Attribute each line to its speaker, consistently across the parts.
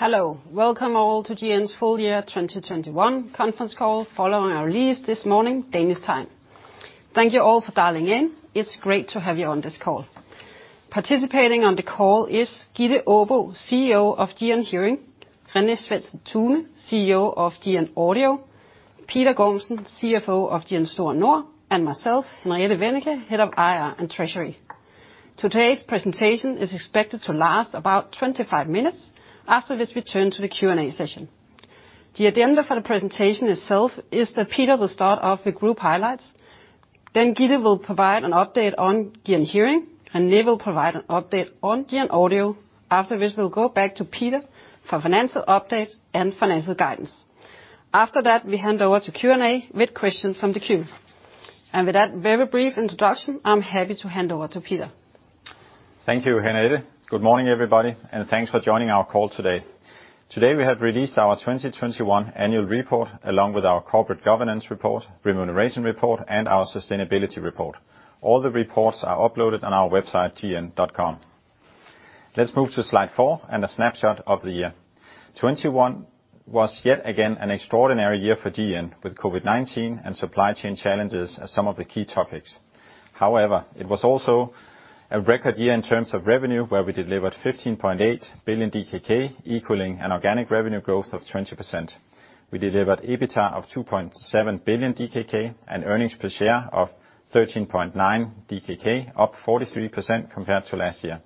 Speaker 1: Hello. Welcome all to GN's full year 2021 conference call following our release this morning, Danish time. Thank you all for dialing in. It's great to have you on this call. Participating on the call is Gitte Aabo, CEO of GN Hearing, René Svendsen-Tune, CEO of GN Audio, Peter Gormsen, CFO of GN Store Nord, and myself, Henriette Wennicke, head of IR and Treasury. Today's presentation is expected to last about 25 minutes, after which we turn to the Q&A session. The agenda for the presentation itself is that Peter will start off with group highlights, then Gitte will provide an update on GN Hearing, René will provide an update on GN Audio, after which we'll go back to Peter for financial update and financial guidance. After that, we hand over to Q&A with questions from the queue. With that very brief introduction, I'm happy to hand over to Peter.
Speaker 2: Thank you, Henriette. Good morning, everybody, and thanks for joining our call today. Today we have released our 2021 annual report, along with our corporate governance report, remuneration report, and our sustainability report. All the reports are uploaded on our website, gn.com. Let's move to slide 4 and a snapshot of the year. 2021 was yet again an extraordinary year for GN, with COVID-19 and supply chain challenges as some of the key topics. However, it was also a record year in terms of revenue, where we delivered 15.8 billion DKK, equaling an organic revenue growth of 20%. We delivered EBITDA of 2.7 billion DKK and earnings per share of 13.9 DKK, up 43% compared to last year.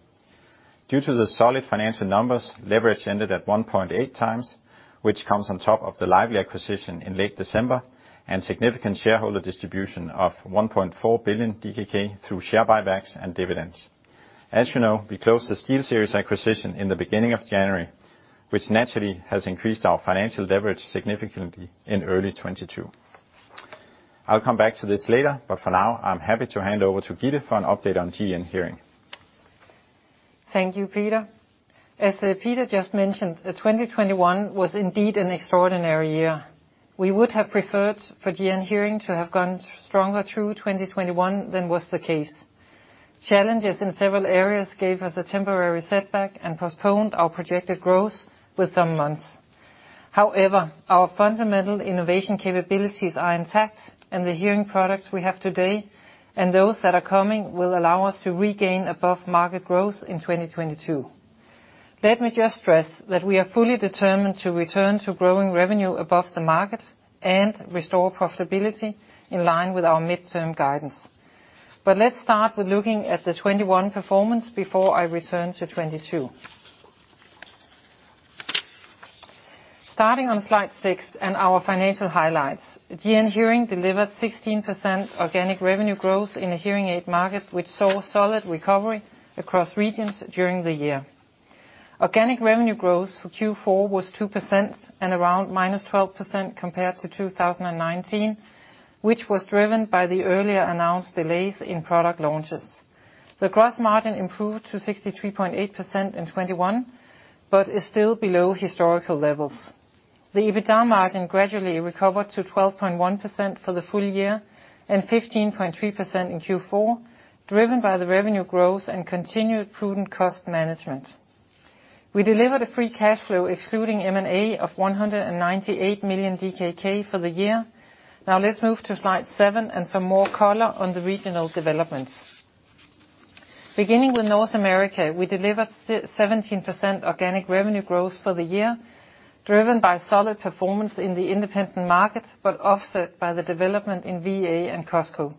Speaker 2: Due to the solid financial numbers, leverage ended at 1.8 times, which comes on top of the Lively acquisition in late December and significant shareholder distribution of 1.4 billion DKK through share buybacks and dividends. As you know, we closed the SteelSeries acquisition in the beginning of January, which naturally has increased our financial leverage significantly in early 2022. I'll come back to this later, but for now, I'm happy to hand over to Gitte for an update on GN Hearing.
Speaker 3: Thank you, Peter. As Peter just mentioned, 2021 was indeed an extraordinary year. We would have preferred for GN Hearing to have gone stronger through 2021 than was the case. Challenges in several areas gave us a temporary setback and postponed our projected growth with some months. However, our fundamental innovation capabilities are intact, and the hearing products we have today, and those that are coming, will allow us to regain above market growth in 2022. Let me just stress that we are fully determined to return to growing revenue above the market and restore profitability in line with our midterm guidance. Let's start with looking at the 2021 performance before I return to 2022. Starting on slide six and our financial highlights. GN Hearing delivered 16% organic revenue growth in the hearing aid market, which saw solid recovery across regions during the year. Organic revenue growth for Q4 was 2% and around -12% compared to 2019, which was driven by the earlier announced delays in product launches. The gross margin improved to 63.8% in 2021, but is still below historical levels. The EBITDA margin gradually recovered to 12.1% for the full year and 15.3% in Q4, driven by the revenue growth and continued prudent cost management. We delivered a free cash flow excluding M&A of 198 million DKK for the year. Now let's move to slide seven and some more color on the regional developments. Beginning with North America, we delivered 17% organic revenue growth for the year, driven by solid performance in the independent market, but offset by the development in VA and Costco.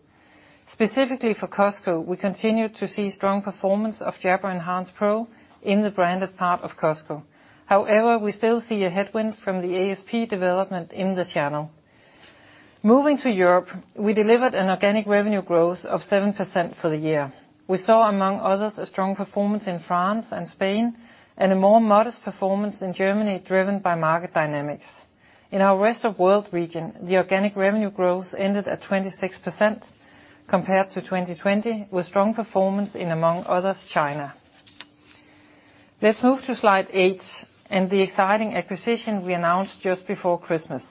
Speaker 3: Specifically for Costco, we continue to see strong performance of Jabra Enhance Pro in the branded part of Costco. However, we still see a headwind from the ASP development in the channel. Moving to Europe, we delivered an organic revenue growth of 7% for the year. We saw, among others, a strong performance in France and Spain, and a more modest performance in Germany, driven by market dynamics. In our rest of world region, the organic revenue growth ended at 26% compared to 2020, with strong performance in, among others, China. Let's move to slide eight and the exciting acquisition we announced just before Christmas.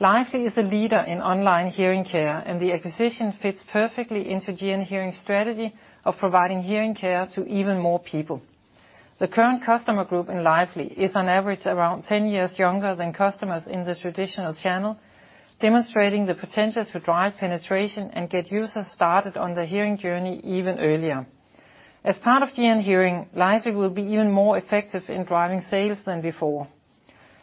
Speaker 3: Lively is a leader in online hearing care, and the acquisition fits perfectly into GN Hearing's strategy of providing hearing care to even more people. The current customer group in Lively is on average around 10 years younger than customers in the traditional channel, demonstrating the potential to drive penetration and get users started on their hearing journey even earlier. As part of GN Hearing, Lively will be even more effective in driving sales than before.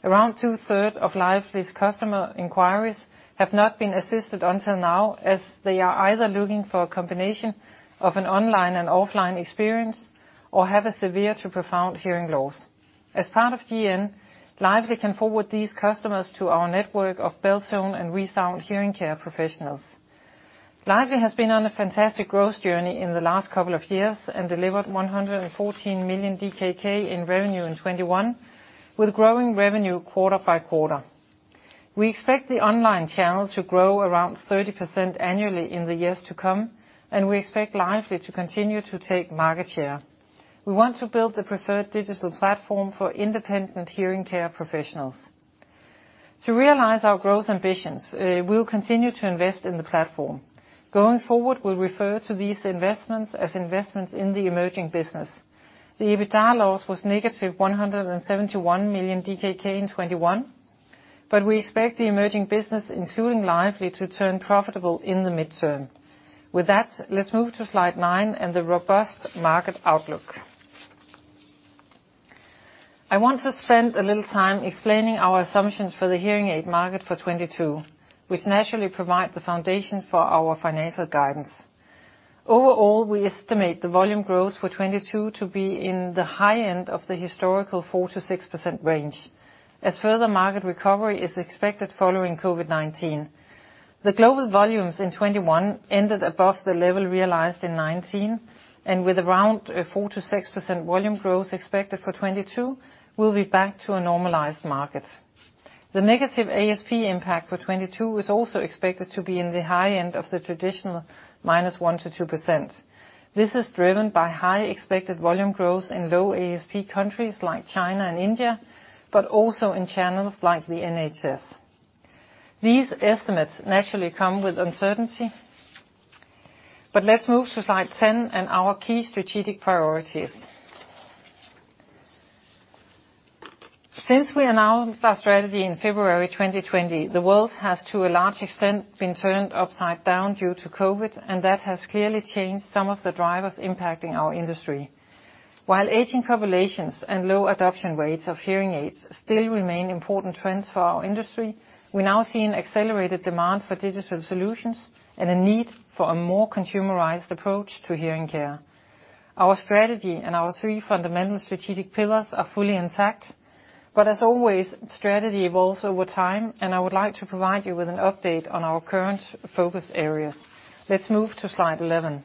Speaker 3: Around two-thirds of Lively's customer inquiries have not been assisted until now, as they are either looking for a combination of an online and offline experience or have a severe to profound hearing loss. As part of GN, Lively can forward these customers to our network of Beltone and ReSound hearing care professionals. Lively has been on a fantastic growth journey in the last couple of years and delivered 114 million DKK in revenue in 2021, with growing revenue quarter by quarter. We expect the online channel to grow around 30% annually in the years to come, and we expect Lively to continue to take market share. We want to build the preferred digital platform for independent hearing care professionals. To realize our growth ambitions, we will continue to invest in the platform. Going forward, we'll refer to these investments as investments in the emerging business. The EBITDA loss was -171 million DKK in 2021, but we expect the emerging business, including Lively, to turn profitable in the midterm. With that, let's move to slide nine and the robust market outlook. I want to spend a little time explaining our assumptions for the hearing aid market for 2022, which naturally provide the foundation for our financial guidance. Overall, we estimate the volume growth for 2022 to be in the high end of the historical 4%-6% range, as further market recovery is expected following COVID-19. The global volumes in 2021 ended above the level realized in 2019, and with around 4%-6% volume growth expected for 2022, we'll be back to a normalized market. The negative ASP impact for 2022 is also expected to be in the high end of the traditional -1%-2%. This is driven by high expected volume growth in low ASP countries like China and India, but also in channels like the NHS. These estimates naturally come with uncertainty, but let's move to slide 10 and our key strategic priorities. Since we announced our strategy in February 2020, the world has, to a large extent, been turned upside down due to COVID, and that has clearly changed some of the drivers impacting our industry. While aging populations and low adoption rates of hearing aids still remain important trends for our industry, we're now seeing accelerated demand for digital solutions and a need for a more consumerized approach to hearing care. Our strategy and our three fundamental strategic pillars are fully intact, but as always, strategy evolves over time, and I would like to provide you with an update on our current focus areas. Let's move to slide 11.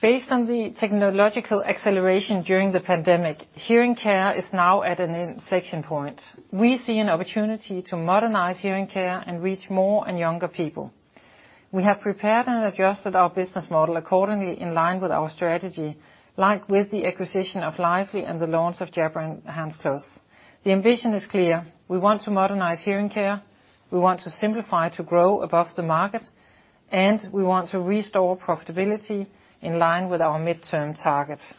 Speaker 3: Based on the technological acceleration during the pandemic, hearing care is now at an inflection point. We see an opportunity to modernize hearing care and reach more and younger people. We have prepared and adjusted our business model accordingly in line with our strategy, like with the acquisition of Lively and the launch of Jabra Enhance Plus. The ambition is clear. We want to modernize hearing care, we want to simplify to grow above the market, and we want to restore profitability in line with our midterm targets.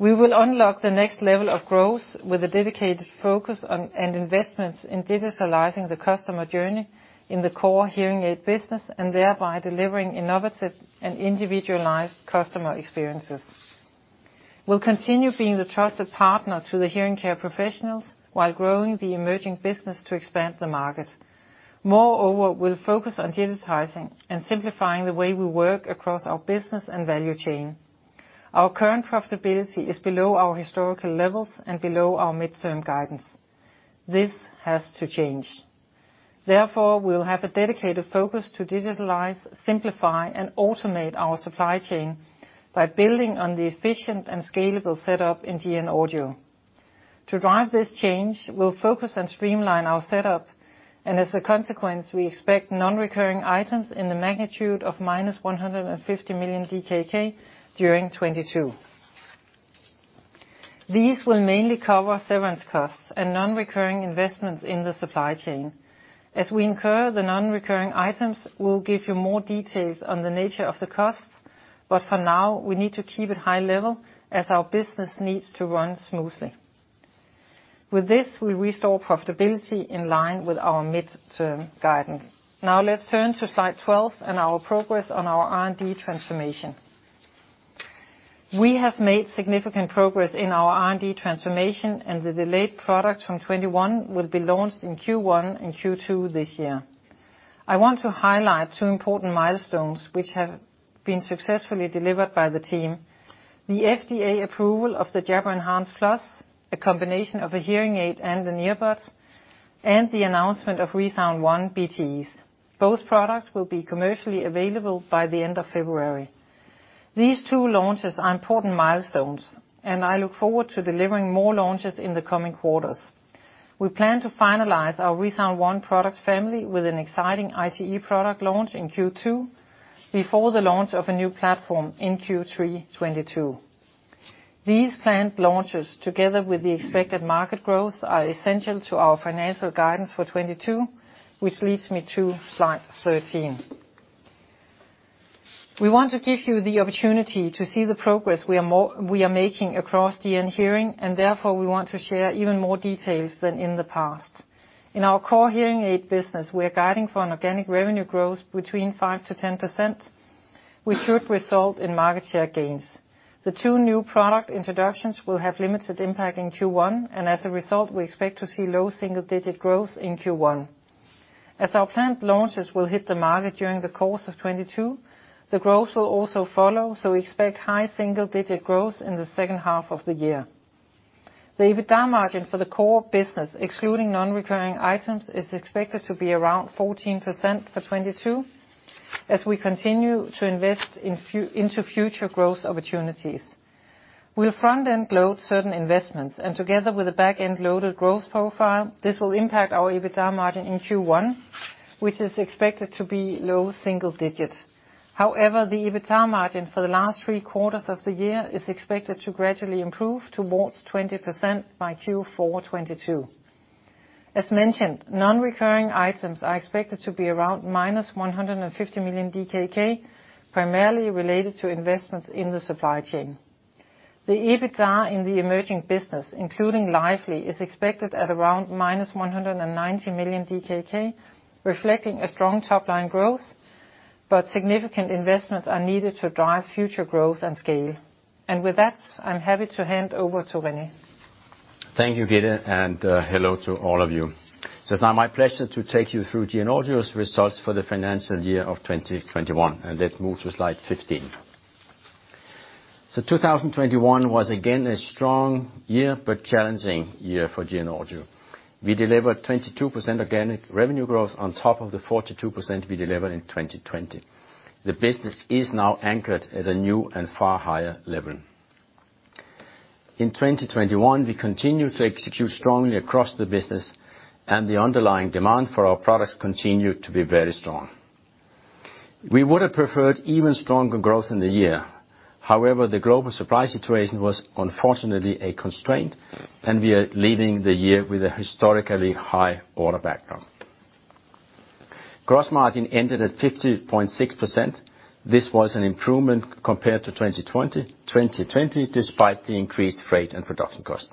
Speaker 3: We will unlock the next level of growth with a dedicated focus on, and investments in digitalizing the customer journey in the core hearing aid business, and thereby delivering innovative and individualized customer experiences. We'll continue being the trusted partner to the hearing care professionals while growing the emerging business to expand the market. Moreover, we'll focus on digitizing and simplifying the way we work across our business and value chain. Our current profitability is below our historical levels and below our midterm guidance. This has to change. Therefore, we'll have a dedicated focus to digitalize, simplify, and automate our supply chain by building on the efficient and scalable setup in GN Audio. To drive this change, we'll focus on streamline our setup, and as a consequence, we expect non-recurring items in the magnitude of -150 million DKK during 2022. These will mainly cover severance costs and non-recurring investments in the supply chain. As we incur the non-recurring items, we'll give you more details on the nature of the costs, but for now, we need to keep it high level as our business needs to run smoothly. With this, we'll restore profitability in line with our midterm guidance. Now let's turn to slide 12 and our progress on our R&D transformation. We have made significant progress in our R&D transformation, and the delayed products from 2021 will be launched in Q1 and Q2 this year. I want to highlight two important milestones which have been successfully delivered by the team. The FDA approval of the Jabra Enhance Plus, a combination of a hearing aid and an earbud, and the announcement of ReSound ONE BTE. Both products will be commercially available by the end of February. These two launches are important milestones, and I look forward to delivering more launches in the coming quarters. We plan to finalize our ReSound ONE product family with an exciting ITE product launch in Q2 before the launch of a new platform in Q3 2022. These planned launches, together with the expected market growth, are essential to our financial guidance for 2022, which leads me to slide 13. We want to give you the opportunity to see the progress we are making across GN Hearing, and therefore, we want to share even more details than in the past. In our core hearing aid business, we are guiding for an organic revenue growth between 5%-10%, which should result in market share gains. The two new product introductions will have limited impact in Q1, and as a result, we expect to see low single-digit growth in Q1. Our planned launches will hit the market during the course of 2022, the growth will also follow, so expect high single-digit growth in the second half of the year. The EBITDA margin for the core business, excluding non-recurring items, is expected to be around 14% for 2022 as we continue to invest into future growth opportunities. We'll front-end load certain investments, and together with the back-end-loaded growth profile, this will impact our EBITDA margin in Q1, which is expected to be low single digits. However, the EBITDA margin for the last three quarters of the year is expected to gradually improve towards 20% by Q4 2022. As mentioned, non-recurring items are expected to be around -150 million DKK, primarily related to investments in the supply chain. The EBITDA in the emerging business, including Lively, is expected at around -190 million DKK, reflecting a strong top-line growth, but significant investments are needed to drive future growth and scale. With that, I'm happy to hand over to René.
Speaker 4: Thank you, Gitte, and hello to all of you. It's now my pleasure to take you through GN Audio's results for the financial year of 2021. Let's move to slide 15. 2021 was again a strong year, but challenging year for GN Audio. We delivered 22% organic revenue growth on top of the 42% we delivered in 2020. The business is now anchored at a new and far higher level. In 2021, we continued to execute strongly across the business, and the underlying demand for our products continued to be very strong. We would have preferred even stronger growth in the year, however, the global supply situation was unfortunately a constraint, and we are leaving the year with a historically high order backlog. Gross margin ended at 50.6%. This was an improvement compared to 2020. In 2020, despite the increased freight and production cost.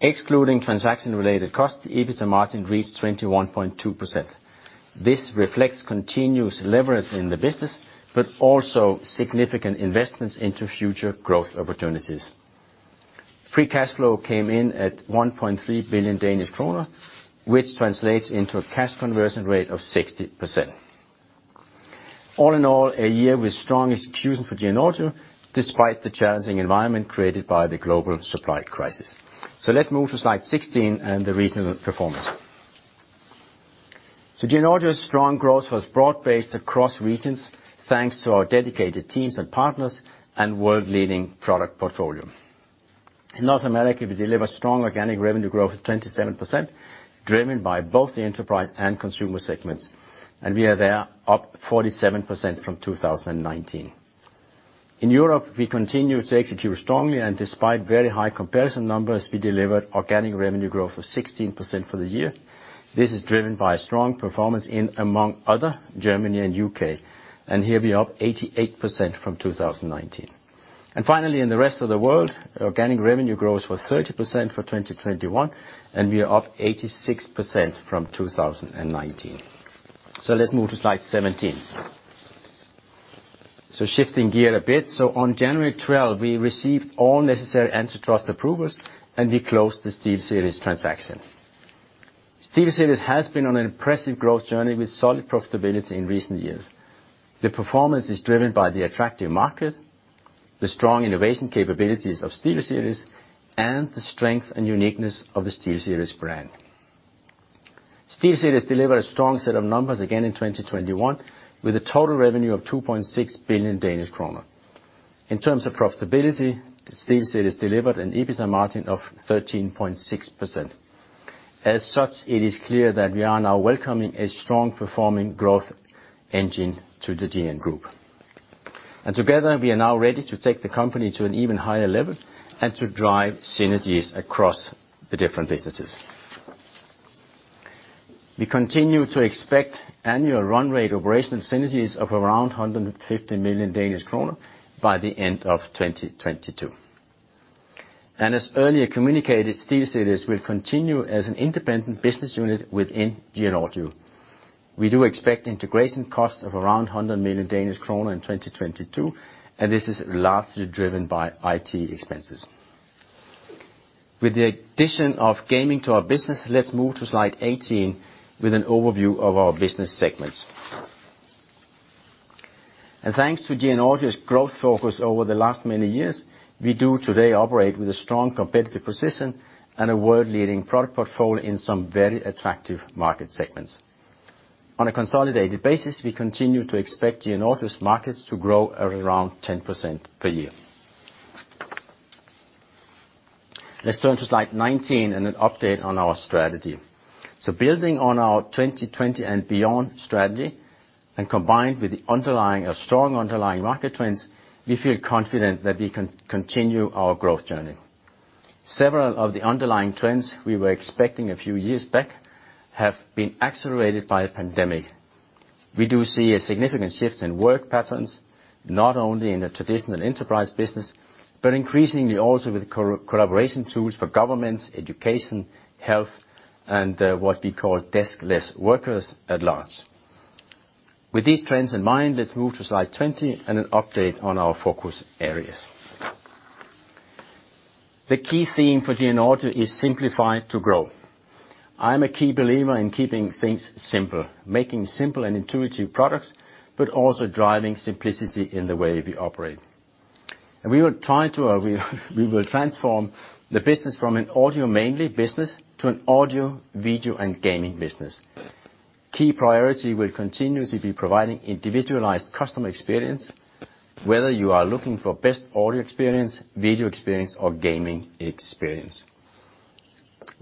Speaker 4: Excluding transaction-related costs, the EBITDA margin reached 21.2%. This reflects continuous leverage in the business, but also significant investments into future growth opportunities. Free cash flow came in at 1.3 billion Danish kroner, which translates into a cash conversion rate of 60%. All in all, a year with strong execution for GN Audio, despite the challenging environment created by the global supply crisis. Let's move to slide 16 and the regional performance. GN Audio's strong growth was broad-based across regions, thanks to our dedicated teams and partners and world-leading product portfolio. In North America, we delivered strong organic revenue growth of 27%, driven by both the enterprise and consumer segments, and we are there up 47% from 2019. In Europe, we continue to execute strongly, and despite very high comparison numbers, we delivered organic revenue growth of 16% for the year. This is driven by strong performance in, among other, Germany and U.K., and here we are up 88% from 2019. Finally, in the rest of the world, organic revenue growth was 30% for 2021, and we are up 86% from 2019. Let's move to slide 17. Shifting gear a bit. On January 12, we received all necessary antitrust approvals, and we closed the SteelSeries transaction. SteelSeries has been on an impressive growth journey with solid profitability in recent years. The performance is driven by the attractive market, the strong innovation capabilities of SteelSeries, and the strength and uniqueness of the SteelSeries brand. SteelSeries delivered a strong set of numbers again in 2021, with a total revenue of 2.6 billion Danish kroner. In terms of profitability, SteelSeries delivered an EBITDA margin of 13.6%. It is clear that we are now welcoming a strong performing growth engine to the GN Group. Together, we are now ready to take the company to an even higher level and to drive synergies across the different businesses. We continue to expect annual run rate operational synergies of around 150 million Danish kroner by the end of 2022. As earlier communicated, SteelSeries will continue as an independent business unit within GN Audio. We do expect integration costs of around 100 million Danish kroner in 2022, and this is largely driven by IT expenses. With the addition of gaming to our business, let's move to slide 18 with an overview of our business segments. Thanks to GN Audio's growth focus over the last many years, we do today operate with a strong competitive position and a world-leading product portfolio in some very attractive market segments. On a consolidated basis, we continue to expect GN Audio's markets to grow at around 10% per year. Let's turn to slide 19 and an update on our strategy. Building on our 2020 and beyond strategy, and combined with the underlying, strong underlying market trends, we feel confident that we can continue our growth journey. Several of the underlying trends we were expecting a few years back have been accelerated by the pandemic. We do see a significant shift in work patterns, not only in the traditional enterprise business, but increasingly also with collaboration tools for governments, education, health, and what we call deskless workers at large. With these trends in mind, let's move to slide 20 and an update on our focus areas. The key theme for GN Audio is simplify to grow. I'm a keen believer in keeping things simple, making simple and intuitive products, but also driving simplicity in the way we operate. We will transform the business from a mainly audio business to an audio, video, and gaming business. Key priority will continue to be providing individualized customer experience, whether you are looking for best audio experience, video experience, or gaming experience.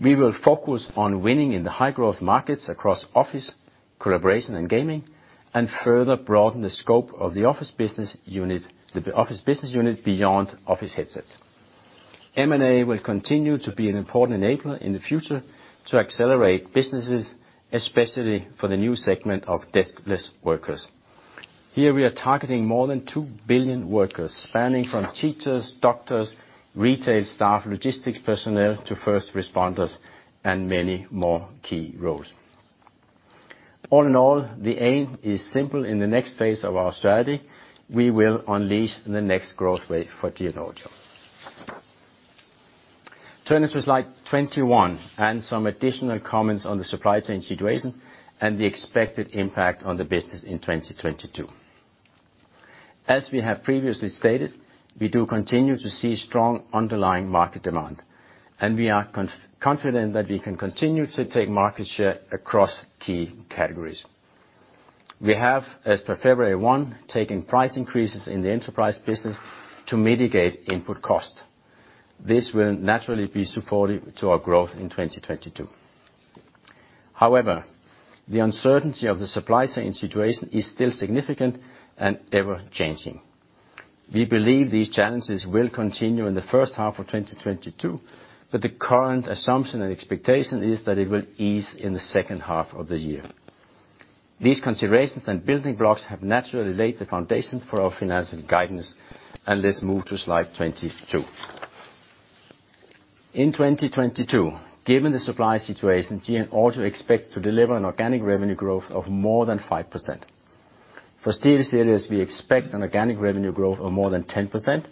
Speaker 4: We will focus on winning in the high-growth markets across office, collaboration, and gaming, and further broaden the scope of the office business unit beyond office headsets. M&A will continue to be an important enabler in the future to accelerate businesses, especially for the new segment of desk-less workers. Here we are targeting more than 2 billion workers, spanning from teachers, doctors, retail staff, logistics personnel, to first responders, and many more key roles. All in all, the aim is simple. In the next phase of our strategy, we will unleash the next growth rate for GN Audio. Turn to slide 21, and some additional comments on the supply chain situation and the expected impact on the business in 2022. As we have previously stated, we do continue to see strong underlying market demand, and we are confident that we can continue to take market share across key categories. We have, as per February 1, taken price increases in the enterprise business to mitigate input cost. This will naturally be supportive to our growth in 2022. However, the uncertainty of the supply chain situation is still significant and ever-changing. We believe these challenges will continue in the first half of 2022, but the current assumption and expectation is that it will ease in the second half of the year. These considerations and building blocks have naturally laid the foundation for our financial guidance. Let's move to slide 22. In 2022, given the supply situation, GN Audio expects to deliver an organic revenue growth of more than 5%. For SteelSeries, we expect an organic revenue growth of more than 10%,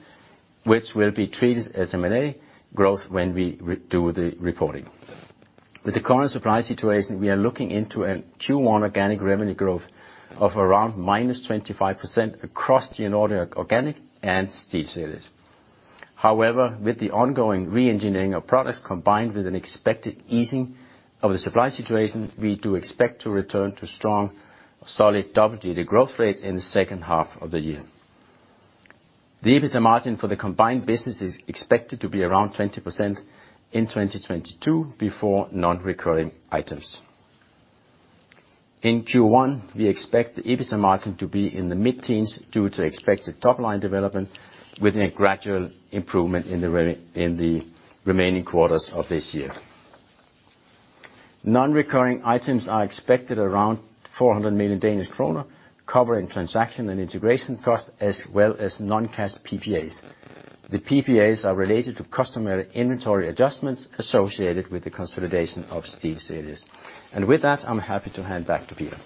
Speaker 4: which will be treated as M&A growth when we redo the reporting. With the current supply situation, we are looking at a Q1 organic revenue growth of around -25% across GN Audio organic and SteelSeries. However, with the ongoing re-engineering of products, combined with an expected easing of the supply situation, we do expect to return to strong, solid double-digit growth rates in the second half of the year. The EBITDA margin for the combined business is expected to be around 20% in 2022 before non-recurring items. In Q1, we expect the EBITDA margin to be in the mid-teens due to expected top-line development, with a gradual improvement in the remaining quarters of this year. Non-recurring items are expected around 400 million Danish kroner, covering transaction and integration costs, as well as non-cash PPAs. The PPAs are related to customer inventory adjustments associated with the consolidation of SteelSeries. With that, I'm happy to hand back to Peter.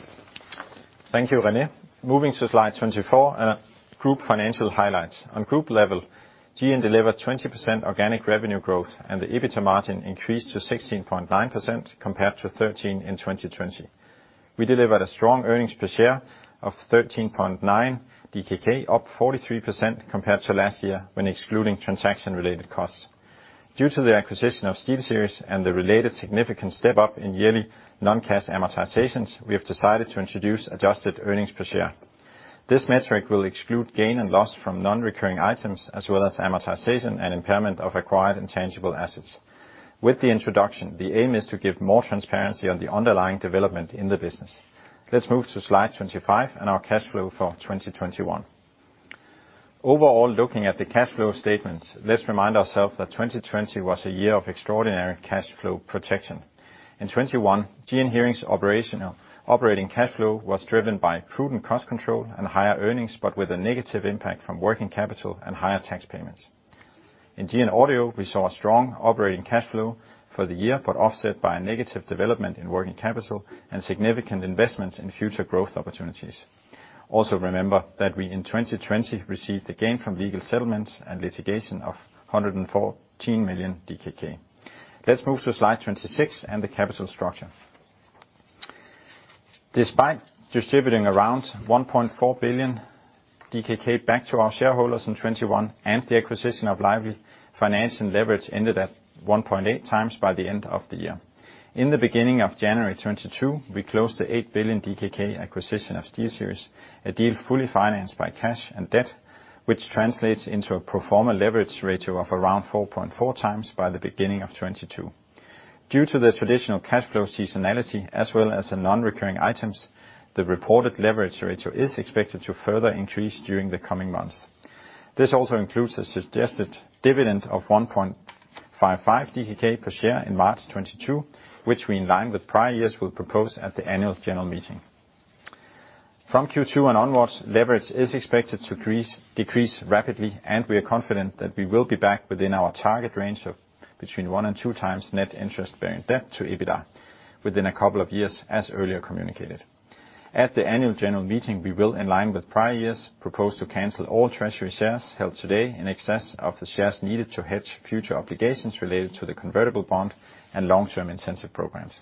Speaker 2: Thank you, René. Moving to slide 24, group financial highlights. On group level, GN delivered 20% organic revenue growth, and the EBITDA margin increased to 16.9% compared to 13% in 2020. We delivered a strong earnings per share of 13.9 DKK, up 43% compared to last year when excluding transaction-related costs. Due to the acquisition of SteelSeries and the related significant step-up in yearly non-cash amortizations, we have decided to introduce adjusted earnings per share. This metric will exclude gain and loss from non-recurring items, as well as amortization and impairment of acquired intangible assets. With the introduction, the aim is to give more transparency on the underlying development in the business. Let's move to slide 25 and our cash flow for 2021. Overall, looking at the cash flow statements, let's remind ourselves that 2020 was a year of extraordinary cash flow protection. In 2021, GN Hearing's operating cash flow was driven by prudent cost control and higher earnings, but with a negative impact from working capital and higher tax payments. In GN Audio, we saw a strong operating cash flow for the year, but offset by a negative development in working capital and significant investments in future growth opportunities. Also remember that we in 2020 received a gain from legal settlements and litigation of 114 million DKK. Let's move to slide 26 and the capital structure. Despite distributing around 1.4 billion DKK back to our shareholders in 2021 and the acquisition of Lively, financial leverage ended at 1.8x by the end of the year. In the beginning of January 2022, we closed the 8 billion DKK acquisition of SteelSeries, a deal fully financed by cash and debt, which translates into a pro forma leverage ratio of around 4.4x by the beginning of 2022. Due to the traditional cash flow seasonality as well as the non-recurring items, the reported leverage ratio is expected to further increase during the coming months. This also includes a suggested dividend of 1.55 DKK per share in March 2022, which we, in line with prior years, will propose at the annual general meeting. From Q2 and onwards, leverage is expected to decrease rapidly, and we are confident that we will be back within our target range of between 1 and 2x net interest-bearing debt to EBITDA within a couple of years, as earlier communicated. At the annual general meeting, we will, in line with prior years, propose to cancel all treasury shares held today in excess of the shares needed to hedge future obligations related to the convertible bond and long-term incentive programs.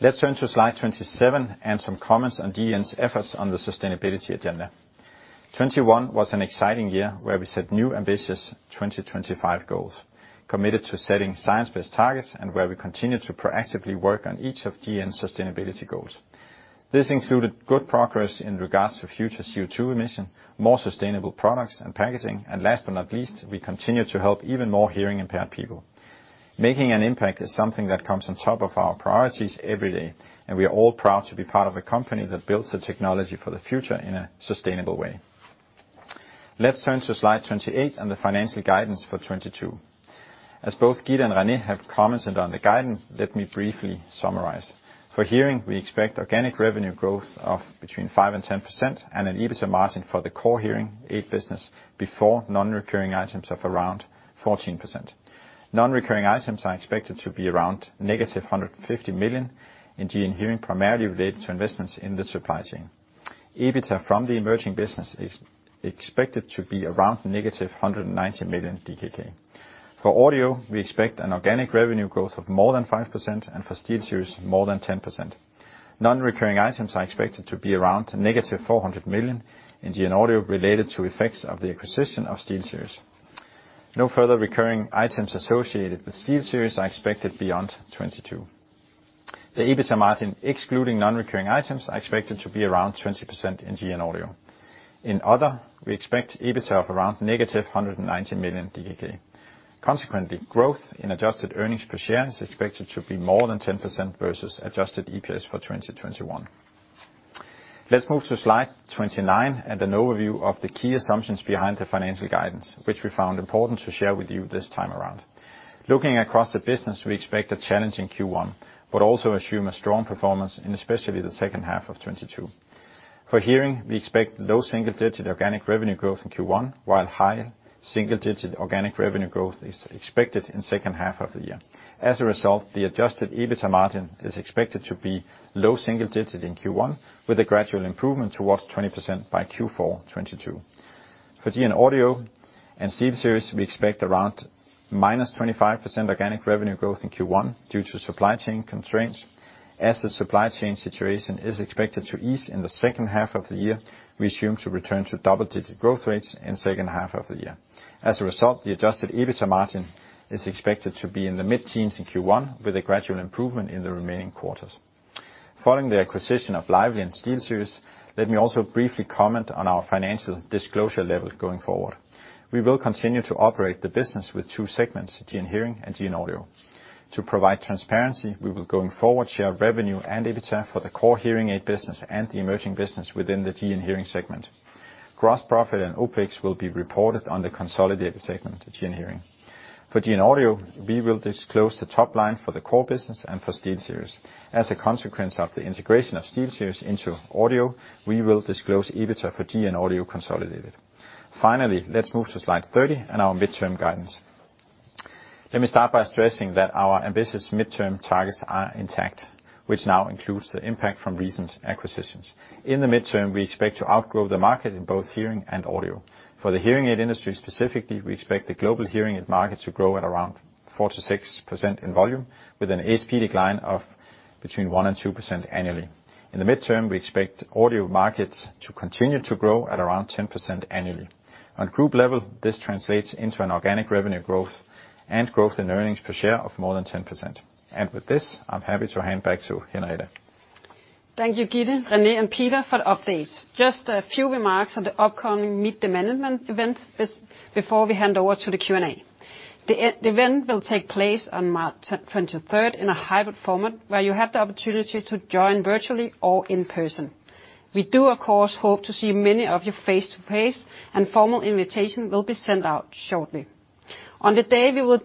Speaker 2: Let's turn to slide 27 and some comments on GN's efforts on the sustainability agenda. 2021 was an exciting year where we set new ambitious 2025 goals, committed to setting science-based targets, and where we continued to proactively work on each of GN's sustainability goals. This included good progress in regards to future CO2 emission, more sustainable products and packaging, and last but not least, we continued to help even more hearing-impaired people. Making an impact is something that comes on top of our priorities every day, and we are all proud to be part of a company that builds the technology for the future in a sustainable way. Let's turn to slide 28 and the financial guidance for 2022. As both Gitte and René have commented on the guidance, let me briefly summarize. For hearing, we expect organic revenue growth of between 5% and 10% and an EBITDA margin for the core hearing aid business before non-recurring items of around 14%. Non-recurring items are expected to be around -150 million in GN Hearing, primarily related to investments in the supply chain. EBITDA from the emerging business is expected to be around -190 million DKK. For Audio, we expect an organic revenue growth of more than 5% and for SteelSeries more than 10%. Non-recurring items are expected to be around -400 million in GN Audio related to effects of the acquisition of SteelSeries. No further recurring items associated with SteelSeries are expected beyond 2022. The EBITDA margin, excluding non-recurring items, are expected to be around 20% in GN Audio. In other, we expect EBITDA of around -190 million DKK. Consequently, growth in adjusted earnings per share is expected to be more than 10% versus adjusted EPS for 2021. Let's move to slide 29 and an overview of the key assumptions behind the financial guidance, which we found important to share with you this time around. Looking across the business, we expect a challenging Q1, but also assume a strong performance in especially the second half of 2022. For Hearing, we expect low single-digit organic revenue growth in Q1, while high single-digit organic revenue growth is expected in second half of the year. As a result, the adjusted EBITDA margin is expected to be low single-digit in Q1, with a gradual improvement towards 20% by Q4 2022. For GN Audio and SteelSeries, we expect around -25% organic revenue growth in Q1 due to supply chain constraints. The supply chain situation is expected to ease in the second half of the year. We assume to return to double-digit growth rates in second half of the year. The adjusted EBITDA margin is expected to be in the mid-teens in Q1, with a gradual improvement in the remaining quarters. Following the acquisition of Lively and SteelSeries, let me also briefly comment on our financial disclosure level going forward. We will continue to operate the business with two segments, GN Hearing and GN Audio. To provide transparency, we will going forward share revenue and EBITDA for the core hearing aid business and the emerging business within the GN Hearing segment. Gross profit and OpEx will be reported on the consolidated segment of GN Hearing. For GN Audio, we will disclose the top line for the core business and for SteelSeries. As a consequence of the integration of SteelSeries into Audio, we will disclose EBITDA for GN Audio consolidated. Finally, let's move to slide 30 and our midterm guidance. Let me start by stressing that our ambitious midterm targets are intact, which now includes the impact from recent acquisitions. In the midterm, we expect to outgrow the market in both hearing and audio. For the hearing aid industry, specifically, we expect the global hearing aid market to grow at around 4%-6% in volume, with an ASP decline of between 1%-2% annually. In the midterm, we expect audio markets to continue to grow at around 10% annually. On group level, this translates into an organic revenue growth and growth in earnings per share of more than 10%. With this, I'm happy to hand back to Henriette.
Speaker 1: Thank you, Gitte, René, and Peter for the updates. Just a few remarks on the upcoming Meet the Management event before we hand over to the Q&A. The event will take place on March 23rd in a hybrid format where you have the opportunity to join virtually or in person. We do, of course, hope to see many of you face-to-face and a formal invitation will be sent out shortly. On the day, we will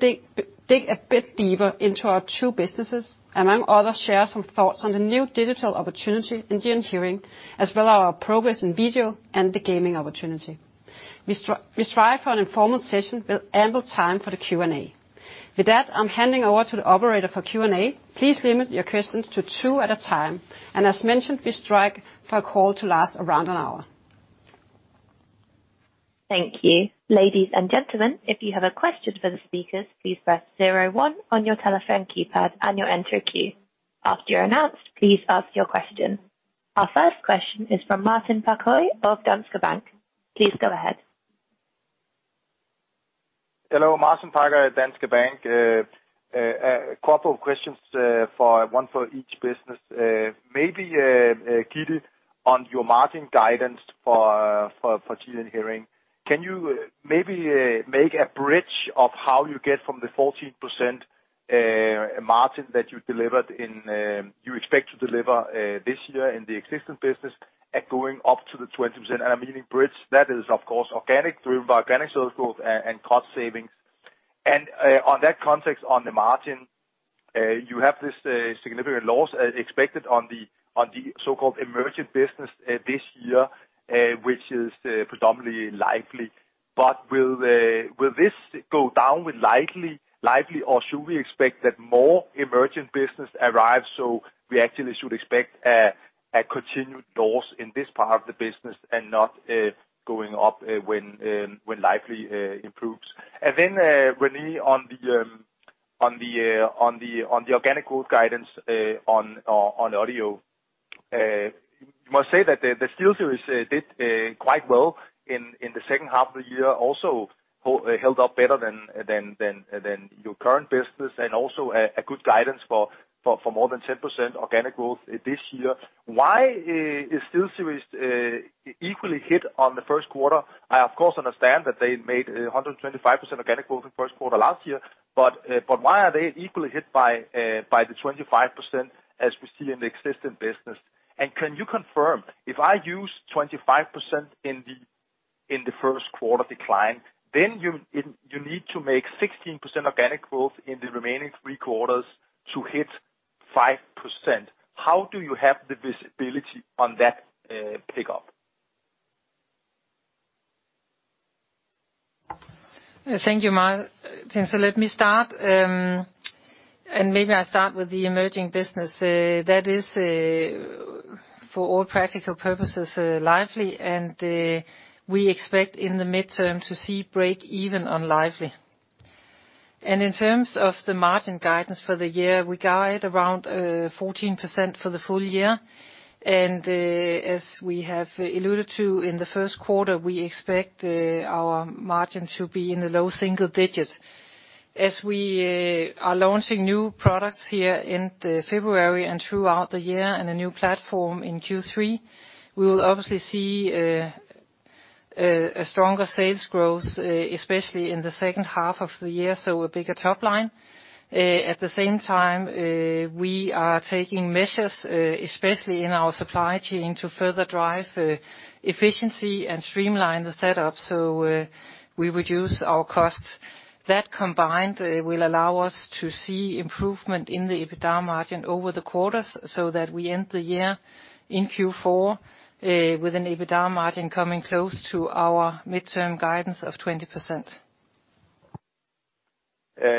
Speaker 1: dig a bit deeper into our two businesses, among others, share some thoughts on the new digital opportunity in GN Hearing, as well as our progress in video and the gaming opportunity. We strive for an informal session with ample time for the Q&A. With that, I'm handing over to the operator for Q&A. Please limit your questions to two at a time. As mentioned, we strive for our call to last around an hour.
Speaker 5: Thank you. Ladies and gentlemen, if you have a question for the speakers, please press zero one on your telephone keypad and your enter key. After you're announced, please ask your question. Our first question is from Martin Parkhøi of Danske Bank. Please go ahead.
Speaker 6: Hello, Martin Parkhøi, Danske Bank. A couple of questions, one for each business. Maybe, Gitte, on your margin guidance for GN Hearing, can you maybe make a bridge of how you get from the 14% margin that you delivered in, you expect to deliver, this year in the existing business going up to the 20%? I'm meaning bridge that is, of course, organic, driven by organic sales growth and cost savings. On that context, on the margin, you have this significant loss expected on the so-called emerging business this year, which is predominantly Lively. Will this go down with Lively or should we expect that more emerging business arrives, so we actually should expect a continued loss in this part of the business and not going up when Lively improves? Then, René, on the organic growth guidance on Audio. You must say that the SteelSeries did quite well in the second half of the year, also held up better than your current business and also a good guidance for more than 10% organic growth this year. Why is SteelSeries equally hit on the first quarter? I, of course, understand that they made 125% organic growth in first quarter last year, but why are they equally hit by the 25% as we see in the existing business? Can you confirm, if I use 25% in the first quarter decline, then you need to make 16% organic growth in the remaining three quarters to hit 5%. How do you have the visibility on that pickup?
Speaker 3: Thank you, Martin. Let me start with the emerging business. That is, for all practical purposes, Lively, and we expect in the mid-term to see break even on Lively. In terms of the margin guidance for the year, we guide around 14% for the full year. As we have alluded to in the first quarter, we expect our margin to be in the low single digits. As we are launching new products here in February and throughout the year, and a new platform in Q3, we will obviously see a stronger sales growth, especially in the second half of the year, so a bigger top line. At the same time, we are taking measures, especially in our supply chain to further drive efficiency and streamline the setup, so we reduce our costs. That combined will allow us to see improvement in the EBITDA margin over the quarters so that we end the year in Q4 with an EBITDA margin coming close to our midterm guidance of 20%.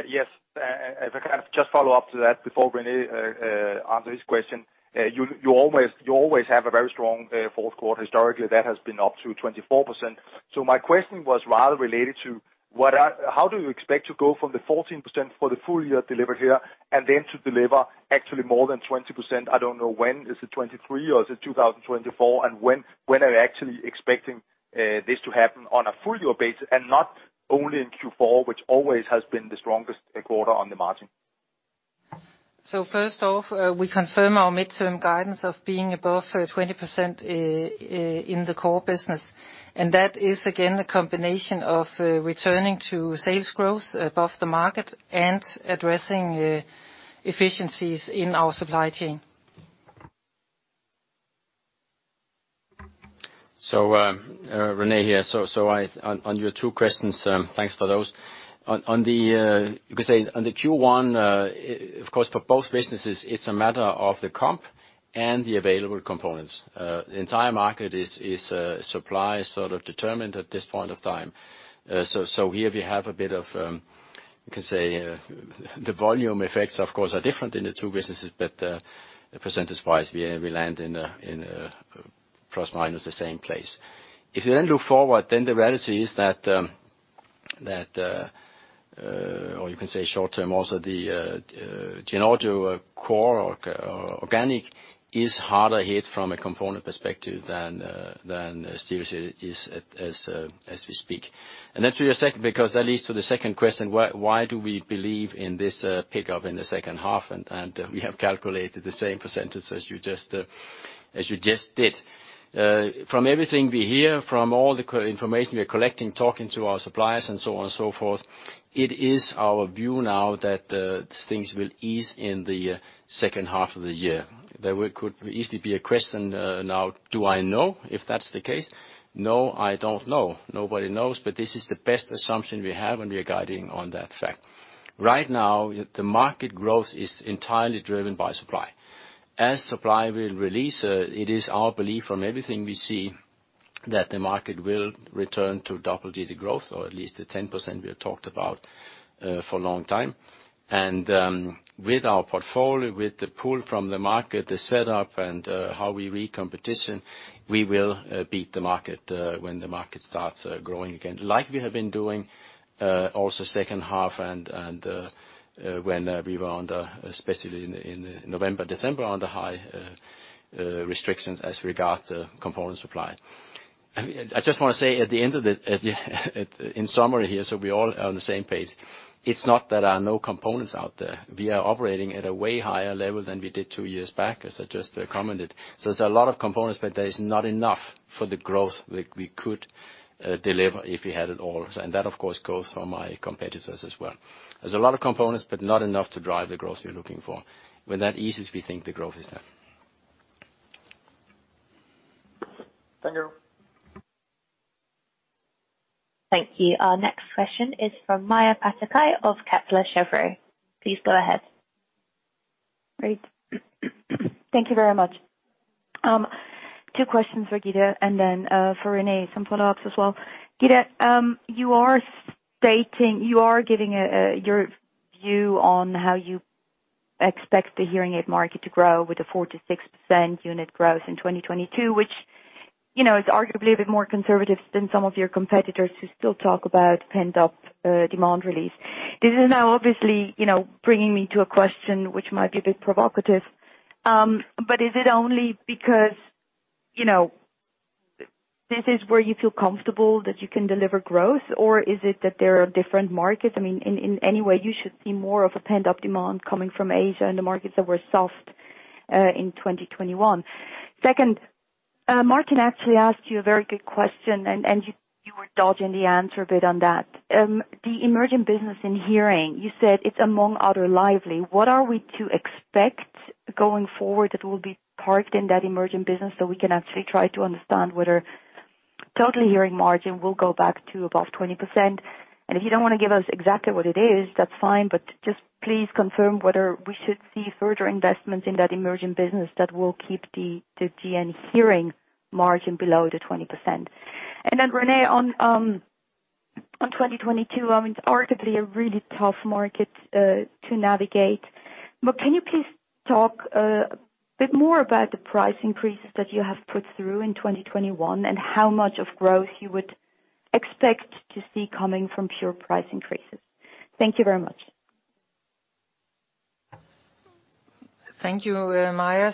Speaker 6: Yes. If I can just follow up to that before René answers his question. You always have a very strong fourth quarter. Historically, that has been up to 24%. My question was rather related to how do you expect to go from the 14% for the full year delivered here and then to deliver actually more than 20%? I don't know when. Is it 2023 or is it 2024? When are you actually expecting this to happen on a full year basis and not only in Q4, which always has been the strongest quarter on the margin?
Speaker 3: First off, we confirm our midterm guidance of being above 20% in the core business. That is again a combination of returning to sales growth above the market and addressing efficiencies in our supply chain.
Speaker 4: René here. On your two questions, thanks for those. On the Q1, of course, for both businesses, it's a matter of the comp and the available components. The entire market is supply sort of determined at this point of time. Here we have a bit of, you can say, the volume effects of course are different in the two businesses, but percentage-wise, we land in a plus minus the same place. If you then look forward, the reality is that, or you can say short term also, the GN Audio or organic is harder hit from a component perspective than SteelSeries is as we speak. Then to your second, because that leads to the second question, why do we believe in this pickup in the second half? We have calculated the same percentage as you just did. From everything we hear, from all the information we are collecting, talking to our suppliers and so on and so forth, it is our view now that things will ease in the second half of the year. There could easily be a question now, do I know if that's the case? No, I don't know. Nobody knows. But this is the best assumption we have, and we are guiding on that fact. Right now, the market growth is entirely driven by supply. As supply will release, it is our belief from everything we see that the market will return to double-digit growth or at least the 10% we have talked about for a long time. With our portfolio, with the pull from the market, the setup and how we read competition, we will beat the market when the market starts growing again. Like we have been doing also second half and when we were under, especially in November, December, under high restrictions as regard to component supply. I mean, I just wanna say at the end of the-- In summary here, so we're all on the same page. It's not that there are no components out there. We are operating at a way higher level than we did two years back, as I just commented. There's a lot of components, but there is not enough for the growth we could deliver if we had it all. That of course goes for my competitors as well. There's a lot of components, but not enough to drive the growth we are looking for. When that eases, we think the growth is there.
Speaker 6: Thank you.
Speaker 5: Thank you. Our next question is from Maja Pataki of Kepler Cheuvreux. Please go ahead.
Speaker 7: Great. Thank you very much. Two questions for Gitte and then, for René, some follow-ups as well. Gitte, you are giving your view on how you expect the hearing aid market to grow with a 4%-6% unit growth in 2022, which, you know, it's arguably a bit more conservative than some of your competitors who still talk about pent-up demand release. This is now obviously, you know, bringing me to a question which might be a bit provocative. Is it only because, you know, this is where you feel comfortable that you can deliver growth, or is it that there are different markets? I mean, in any way, you should see more of a pent-up demand coming from Asia and the markets that were soft in 2021. Second, Martin actually asked you a very good question, and you were dodging the answer a bit on that. The emerging business in hearing, you said it's among other Lively. What are we to expect going forward that will be parked in that emerging business so we can actually try to understand whether total hearing margin will go back to above 20%? If you don't wanna give us exactly what it is, that's fine, but just please confirm whether we should see further investments in that emerging business that will keep the GN Hearing margin below the 20%. Then René, on 2022, I mean, arguably a really tough market to navigate. Can you please talk a bit more about the price increases that you have put through in 2021, and how much of growth you would expect to see coming from pure price increases? Thank you very much.
Speaker 3: Thank you, Maja.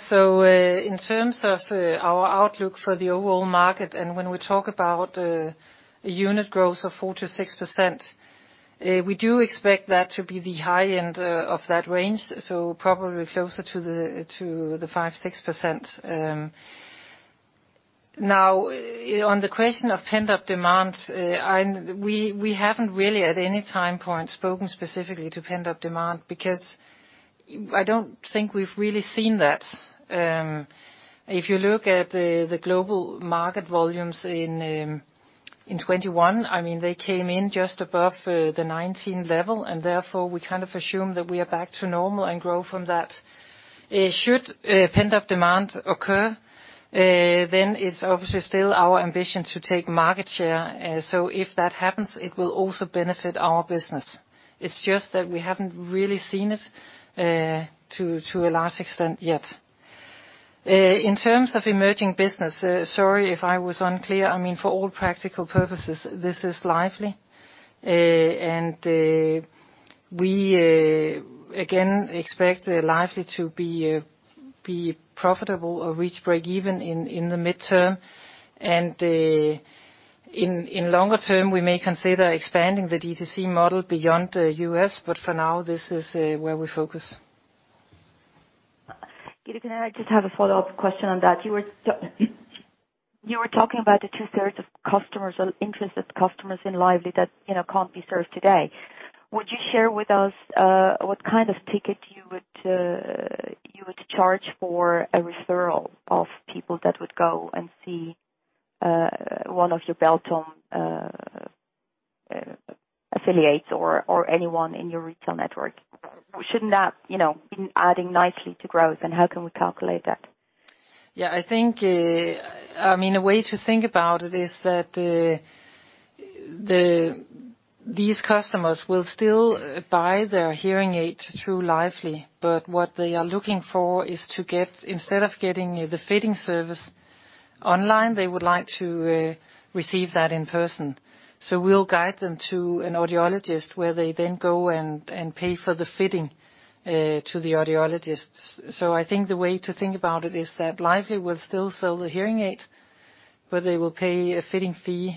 Speaker 3: In terms of our outlook for the overall market, and when we talk about a unit growth of 4%-6%, we do expect that to be the high end of that range, so probably closer to the 5%-6%. Now, on the question of pent-up demand, we haven't really at any time point spoken specifically to pent-up demand because I don't think we've really seen that. If you look at the global market volumes in 2021, I mean, they came in just above the 2019 level, and therefore, we kind of assume that we are back to normal and grow from that. Should pent-up demand occur, then it's obviously still our ambition to take market share, so if that happens, it will also benefit our business. It's just that we haven't really seen it to a large extent yet. In terms of emerging business, sorry if I was unclear. I mean, for all practical purposes, this is Lively. We again expect Lively to be profitable or reach break even in the midterm. In the longer term, we may consider expanding the D2C model beyond the U.S., but for now, this is where we focus.
Speaker 7: Gitte, can I just have a follow-up question on that? You were talking about the two-thirds of customers or interested customers in Lively that, you know, can't be served today. Would you share with us what kind of ticket you would charge for a referral of people that would go and see one of your Beltone affiliates or anyone in your retail network? Shouldn't that, you know, been adding nicely to growth, and how can we calculate that?
Speaker 3: Yeah, I think, I mean, a way to think about it is that these customers will still buy their hearing aid through Lively, but what they are looking for is to get, instead of getting the fitting service online, they would like to receive that in person. We'll guide them to an audiologist, where they then go and pay for the fitting to the audiologists. I think the way to think about it is that Lively will still sell the hearing aid, but they will pay a fitting fee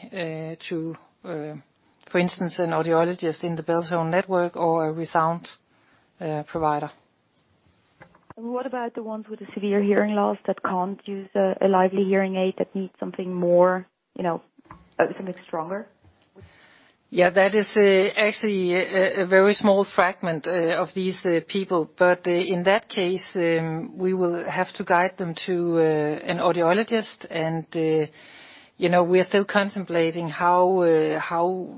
Speaker 3: to, for instance, an audiologist in the Beltone network or a ReSound provider.
Speaker 7: What about the ones with the severe hearing loss that can't use a Lively hearing aid that needs something more, you know, something stronger?
Speaker 3: Yeah, that is actually a very small fragment of these people. In that case, we will have to guide them to an audiologist. You know, we are still contemplating how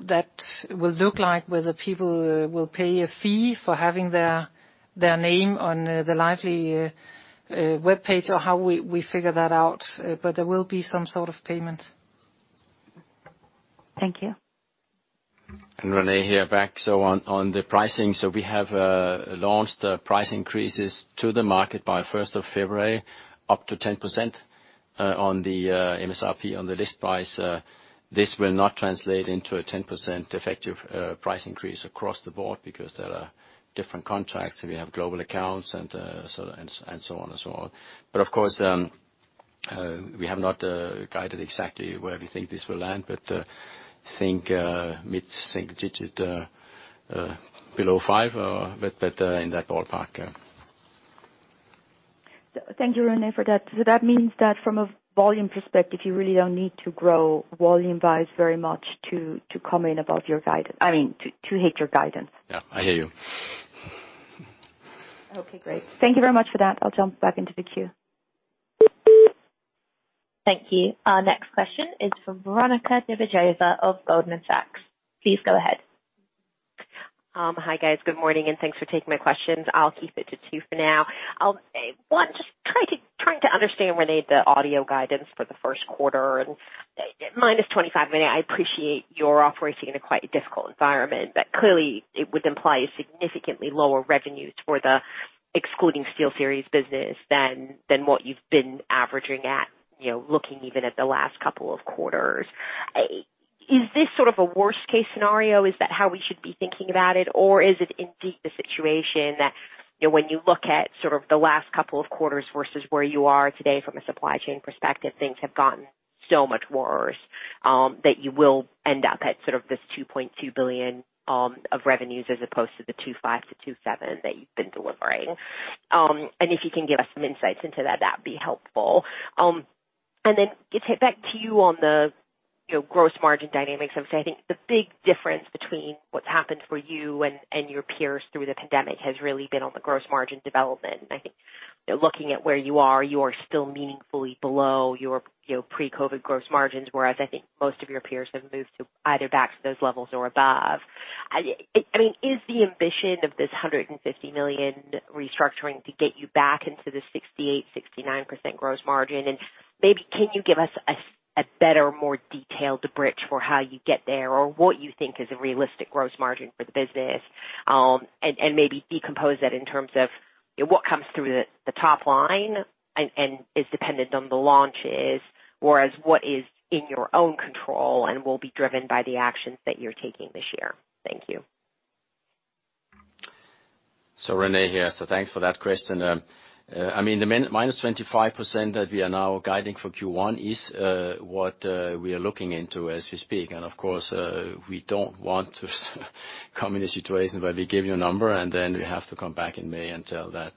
Speaker 3: that will look like, whether people will pay a fee for having their name on the Lively webpage or how we figure that out, but there will be some sort of payment.
Speaker 7: Thank you.
Speaker 4: René here back. On the pricing, we have launched the price increases to the market by first of February, up to 10% on the MSRP on the list price. This will not translate into a 10% effective price increase across the board because there are different contracts. We have global accounts and so on. Of course, we have not guided exactly where we think this will land, but think mid-single-digit, below five, but in that ballpark, yeah.
Speaker 7: Thank you, René, for that. That means that from a volume perspective, you really don't need to grow volume-wise very much to come in above your guidance. I mean, to hit your guidance.
Speaker 4: Yeah, I hear you.
Speaker 7: Okay, great. Thank you very much for that. I'll jump back into the queue.
Speaker 5: Thank you. Our next question is from Veronika Dubajova of Goldman Sachs. Please go ahead.
Speaker 8: Hi, guys. Good morning, and thanks for taking my questions. I'll keep it to two for now. I'll say, one, just trying to understand, René, the audio guidance for the first quarter and -25 million. I appreciate you're operating in a quite difficult environment, but clearly it would imply significantly lower revenues for the excluding SteelSeries business than what you've been averaging at, you know, looking even at the last couple of quarters. Is this sort of a worst-case scenario? Is that how we should be thinking about it? Is it indeed the situation that, you know, when you look at sort of the last couple of quarters versus where you are today from a supply chain perspective, things have gotten so much worse that you will end up at sort of this 2.2 billion of revenues as opposed to the 2.5 billion-2.7 billion that you've been delivering? If you can give us some insights into that'd be helpful. Gitte, back to you on the, you know, gross margin dynamics. Obviously, I think the big difference between what's happened for you and your peers through the pandemic has really been on the gross margin development. I think, you know, looking at where you are, you are still meaningfully below your, you know, pre-COVID gross margins, whereas I think most of your peers have moved to either back to those levels or above. I mean, is the ambition of this 150 million restructuring to get you back into the 68%-69% gross margin? Maybe can you give us a better, more detailed bridge for how you get there, or what you think is a realistic gross margin for the business? Maybe decompose that in terms of, you know, what comes through the top line and is dependent on the launches, whereas what is in your own control and will be driven by the actions that you're taking this year? Thank you.
Speaker 4: René here. Thanks for that question. I mean, the minus 25% that we are now guiding for Q1 is what we are looking into as we speak. Of course, we don't want to come in a situation where we give you a number, and then we have to come back in May and tell that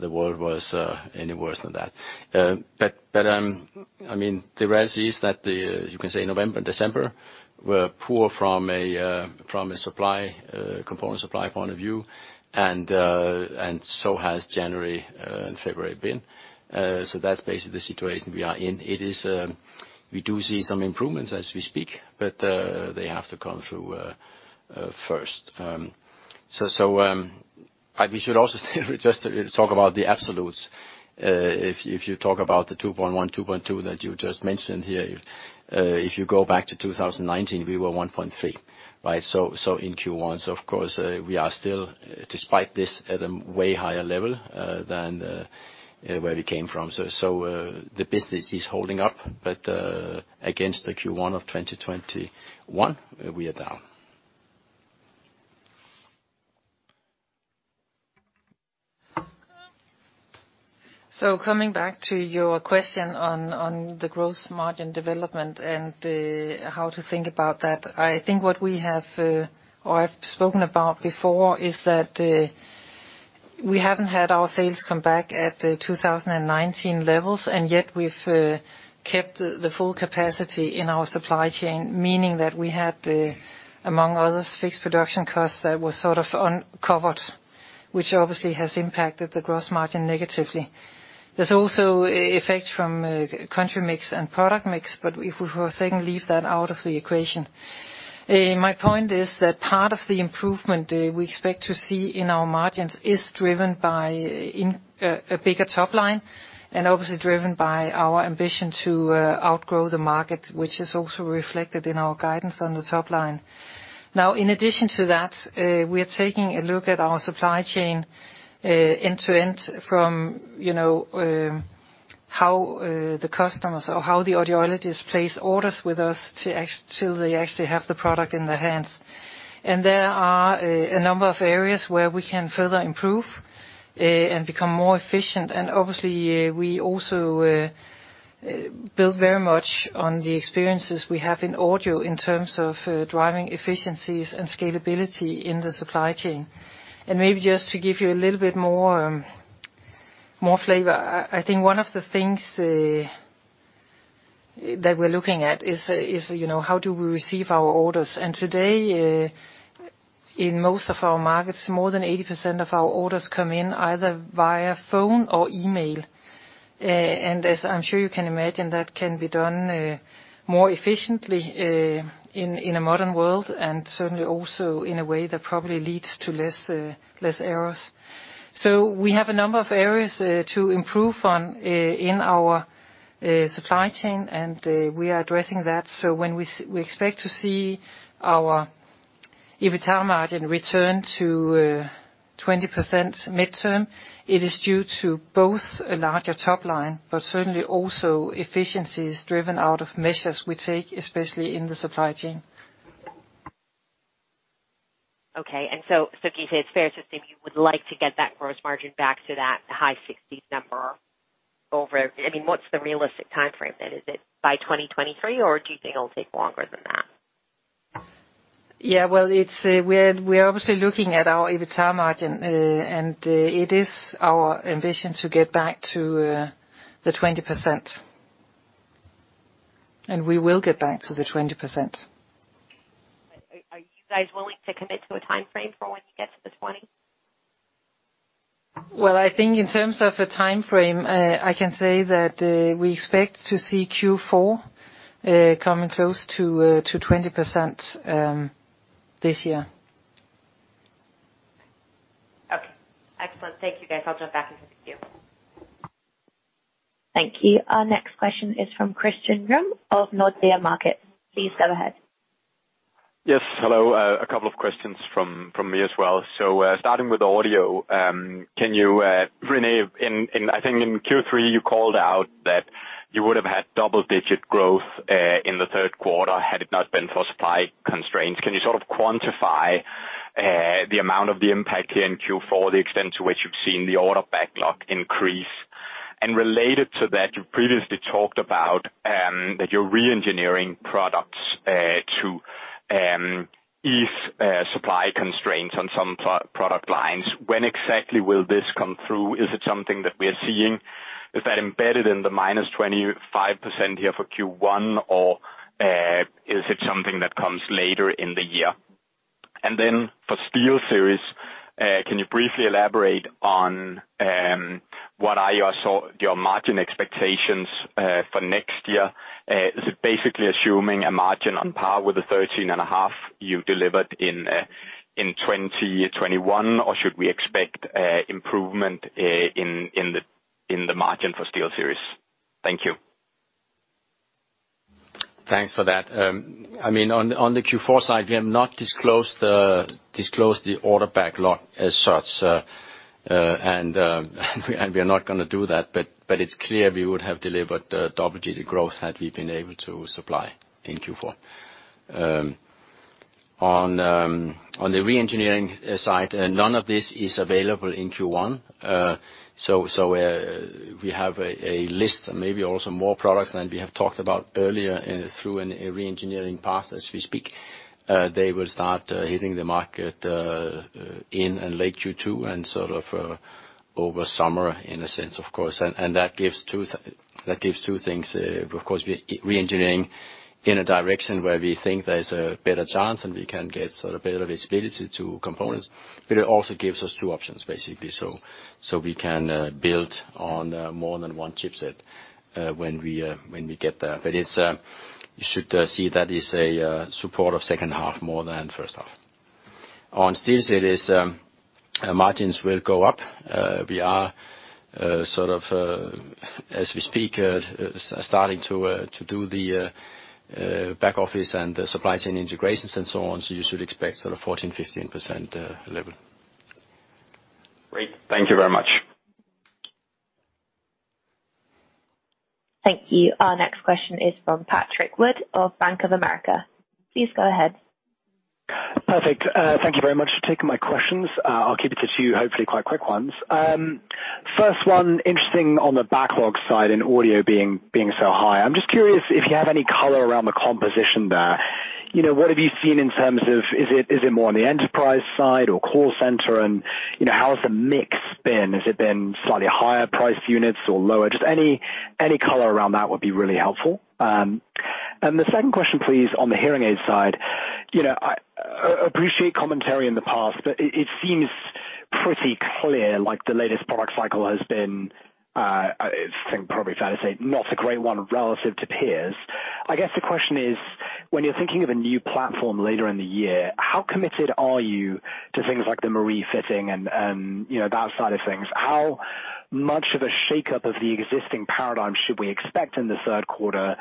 Speaker 4: the world was any worse than that. I mean, the rest is that you can say November and December were poor from a supply component supply point of view, and so has January and February been. That's basically the situation we are in. It is, we do see some improvements as we speak, but they have to come through first. We should also still just talk about the absolutes. If you talk about the 2.1, 2.2 that you just mentioned here, if you go back to 2019, we were 1.3, right? In Q1, of course, we are still, despite this, at a way higher level than where we came from. The business is holding up. Against the Q1 of 2021, we are down.
Speaker 3: Coming back to your question on the gross margin development and how to think about that. I think what we have or I've spoken about before is that we haven't had our sales come back at the 2019 levels, and yet we've kept the full capacity in our supply chain, meaning that we had, among others, fixed production costs that were sort of uncovered, which obviously has impacted the gross margin negatively. There's also effects from country mix and product mix, but if we for a second leave that out of the equation. My point is that part of the improvement we expect to see in our margins is driven by a bigger top line, and obviously driven by our ambition to outgrow the market, which is also reflected in our guidance on the top line. Now, in addition to that, we are taking a look at our supply chain end to end from you know how the customers or how the audiologists place orders with us till they actually have the product in their hands. There are a number of areas where we can further improve and become more efficient. Obviously, we also build very much on the experiences we have in audio in terms of driving efficiencies and scalability in the supply chain. Maybe just to give you a little bit more flavor, I think one of the things that we're looking at is, you know, how do we receive our orders. Today, in most of our markets, more than 80% of our orders come in either via phone or email. As I'm sure you can imagine, that can be done more efficiently in a modern world, and certainly also in a way that probably leads to less errors. We have a number of areas to improve on in our supply chain, and we are addressing that. When we expect to see our EBITDA margin return to 20% midterm, it is due to both a larger top line, but certainly also efficiencies driven out of measures we take, especially in the supply chain.
Speaker 8: Okay. Gitte, it's fair to say you would like to get that gross margin back to that high 60s% number. I mean, what's the realistic timeframe then? Is it by 2023 or do you think it'll take longer than that?
Speaker 3: Well, we are obviously looking at our EBITDA margin, and it is our ambition to get back to the 20%. We will get back to the 20%.
Speaker 8: Are you guys willing to commit to a timeframe for when you get to the 20?
Speaker 3: Well, I think in terms of a timeframe, I can say that we expect to see Q4 coming close to 20% this year.
Speaker 8: Okay. Excellent. Thank you, guys. I'll drop back into the queue.
Speaker 5: Thank you. Our next question is from Christian Ryom of Nordea Markets. Please go ahead.
Speaker 9: Yes. Hello. A couple of questions from me as well. Starting with Audio, can you, René, I think in Q3 you called out that you would have had double digit growth in the third quarter had it not been for supply constraints. Can you sort of quantify the amount of the impact here in Q4, the extent to which you've seen the order backlog increase? Related to that, you previously talked about that you're re-engineering products to ease supply constraints on some pro-product lines. When exactly will this come through? Is it something that we are seeing? Is that embedded in the -25% here for Q1 or is it something that comes later in the year? For SteelSeries, can you briefly elaborate on what are your margin expectations for next year? Is it basically assuming a margin on par with the 13.5% you delivered in 2021, or should we expect improvement in the margin for SteelSeries? Thank you.
Speaker 4: Thanks for that. I mean, on the Q4 side, we have not disclosed the order backlog as such. We are not gonna do that, but it's clear we would have delivered double-digit growth had we been able to supply in Q4. On the re-engineering side, none of this is available in Q1. We have a list, maybe also more products than we have talked about earlier through a re-engineering path as we speak. They will start hitting the market in late Q2 and sort of over summer in a sense, of course. That gives two things. Of course, engineering in a direction where we think there's a better chance and we can get sort of better visibility to components, but it also gives us two options, basically. We can build on more than one chipset when we get there. You should see that as a support of second half more than first half. On SteelSeries, margins will go up. We are sort of as we speak starting to do the back office and the supply chain integrations and so on, so you should expect sort of 14%-15% level.
Speaker 9: Great. Thank you very much.
Speaker 5: Thank you. Our next question is from Patrick Wood of Bank of America. Please go ahead.
Speaker 10: Perfect. Thank you very much for taking my questions. I'll keep it to two hopefully quite quick ones. First one, interesting on the backlog side and audio being so high. I'm just curious if you have any color around the composition there. You know, what have you seen in terms of. Is it more on the enterprise side or call center? You know, how has the mix been? Has it been slightly higher priced units or lower? Just any color around that would be really helpful. The second question, please, on the hearing aid side. You know, I appreciate commentary in the past, but it seems pretty clear, like the latest product cycle has been. I think probably fair to say not a great one relative to peers. I guess the question is, when you're thinking of a new platform later in the year, how committed are you to things like the M&RIE fitting and, you know, that side of things? How much of a shake-up of the existing paradigm should we expect in the third quarter?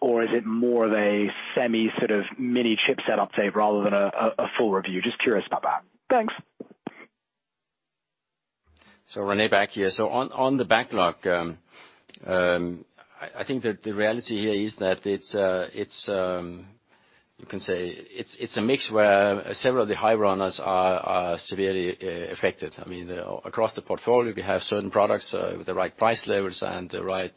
Speaker 10: Or is it more of a semi sort of mini chipset update rather than a full review? Just curious about that. Thanks.
Speaker 4: René back here. On the backlog, I think that the reality here is that it's a mix where several of the high runners are severely affected. I mean, across the portfolio, we have certain products with the right price levels and the right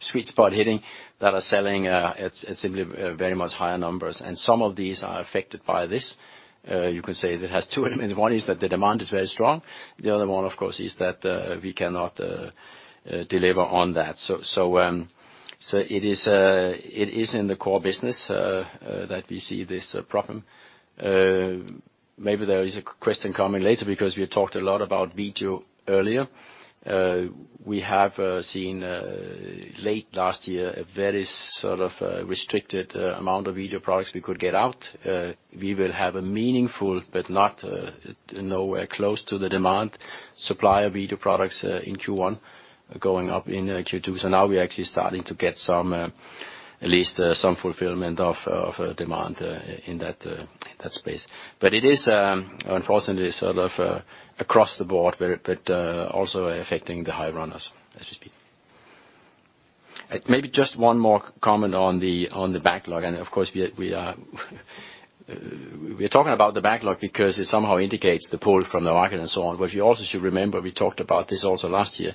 Speaker 4: sweet spot hitting that are selling at simply very much higher numbers. Some of these are affected by this. You can say it has two. I mean, one is that the demand is very strong. The other one, of course, is that we cannot deliver on that. It is in the core business that we see this problem. Maybe there is a question coming later because we talked a lot about video earlier. We have seen late last year a very sort of restricted amount of video products we could get out. We will have a meaningful, but not nowhere close to the demand, supply of video products in Q1 going up in Q2. Now we're actually starting to get some at least some fulfillment of demand in that space. But it is unfortunately sort of across the board, but also affecting the high runners, as you speak. Maybe just one more comment on the backlog, and of course, we're talking about the backlog because it somehow indicates the pull from the market and so on. You also should remember, we talked about this also last year,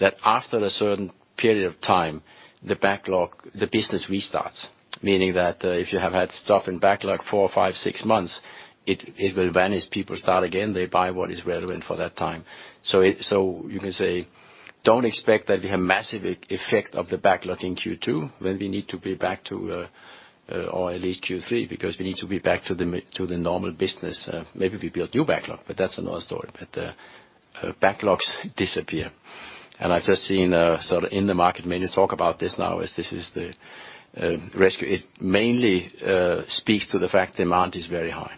Speaker 4: that after a certain period of time, the backlog, the business restarts. Meaning that, if you have had stuff in backlog four, five, six months, it will vanish. People start again, they buy what is relevant for that time. You can say, don't expect that we have massive effect of the backlog in Q2, when we need to be back to, or at least Q3, because we need to be back to the normal business. Maybe we build new backlog, but that's another story. Backlogs disappear. I've just seen, sort of in the market, many talk about this now as this is the rescue. It mainly speaks to the fact demand is very high.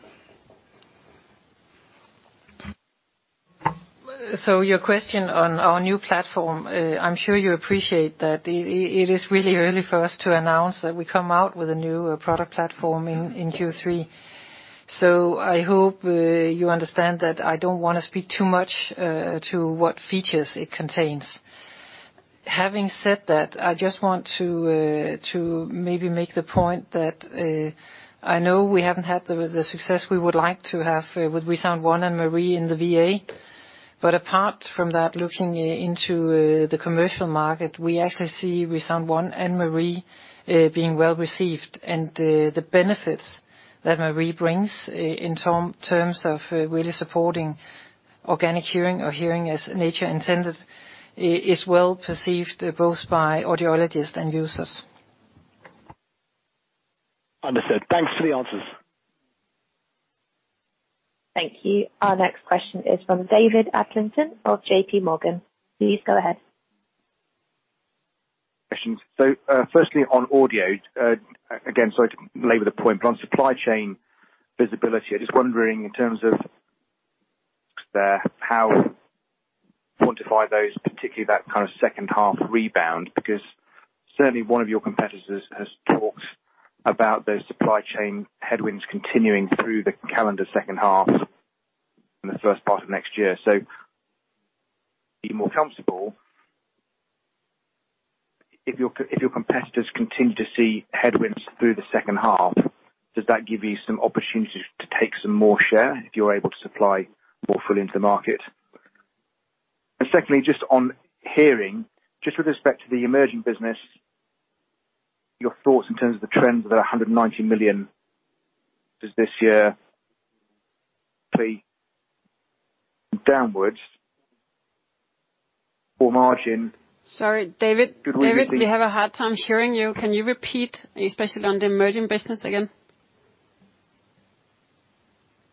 Speaker 3: Your question on our new platform, I'm sure you appreciate that it is really early for us to announce that we come out with a new product platform in Q3. I hope you understand that I don't wanna speak too much to what features it contains. Having said that, I just want to maybe make the point that I know we haven't had the success we would like to have with ReSound ONE and M&RIE in the VA. Apart from that, looking into the commercial market, we actually see ReSound ONE and M&RIE being well-received. The benefits that M&RIE brings in terms of really supporting organic hearing or hearing as nature intended is well perceived both by audiologists and users.
Speaker 10: Understood. Thanks for the answers.
Speaker 5: Thank you. Our next question is from David Adlington of JP Morgan. Please go ahead.
Speaker 11: Questions. First, on audio, again, sorry to labor the point, but on supply chain visibility, I'm just wondering in terms of how to quantify those, particularly that kind of second half rebound, because certainly one of your competitors has talked about those supply chain headwinds continuing through the calendar second half and the first part of next year. Be more comfortable if your competitors continue to see headwinds through the second half, does that give you some opportunities to take some more share if you're able to supply more fully into the market? Second, just on hearing, just with respect to the emerging business, your thoughts in terms of the trends of the 190 million does this year be downwards or margin--
Speaker 1: Sorry, David. David, we have a hard time hearing you. Can you repeat, especially on the emerging business again?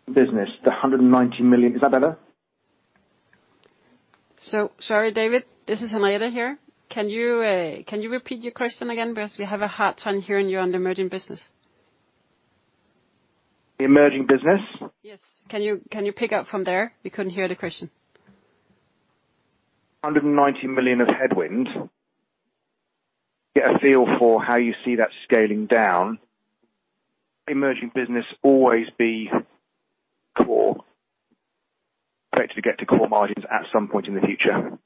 Speaker 11: Business, the 190 million. Is that better?
Speaker 1: Sorry, David. This is Henriette here. Can you repeat your question again because we have a hard time hearing you on the emerging business.
Speaker 11: The emerging business?
Speaker 1: Yes. Can you pick up from there? We couldn't hear the question.
Speaker 11: 190 million of headwind. Get a feel for how you see that scaling down. Emerging business always be core. Expect to get to core margins at some point in the future.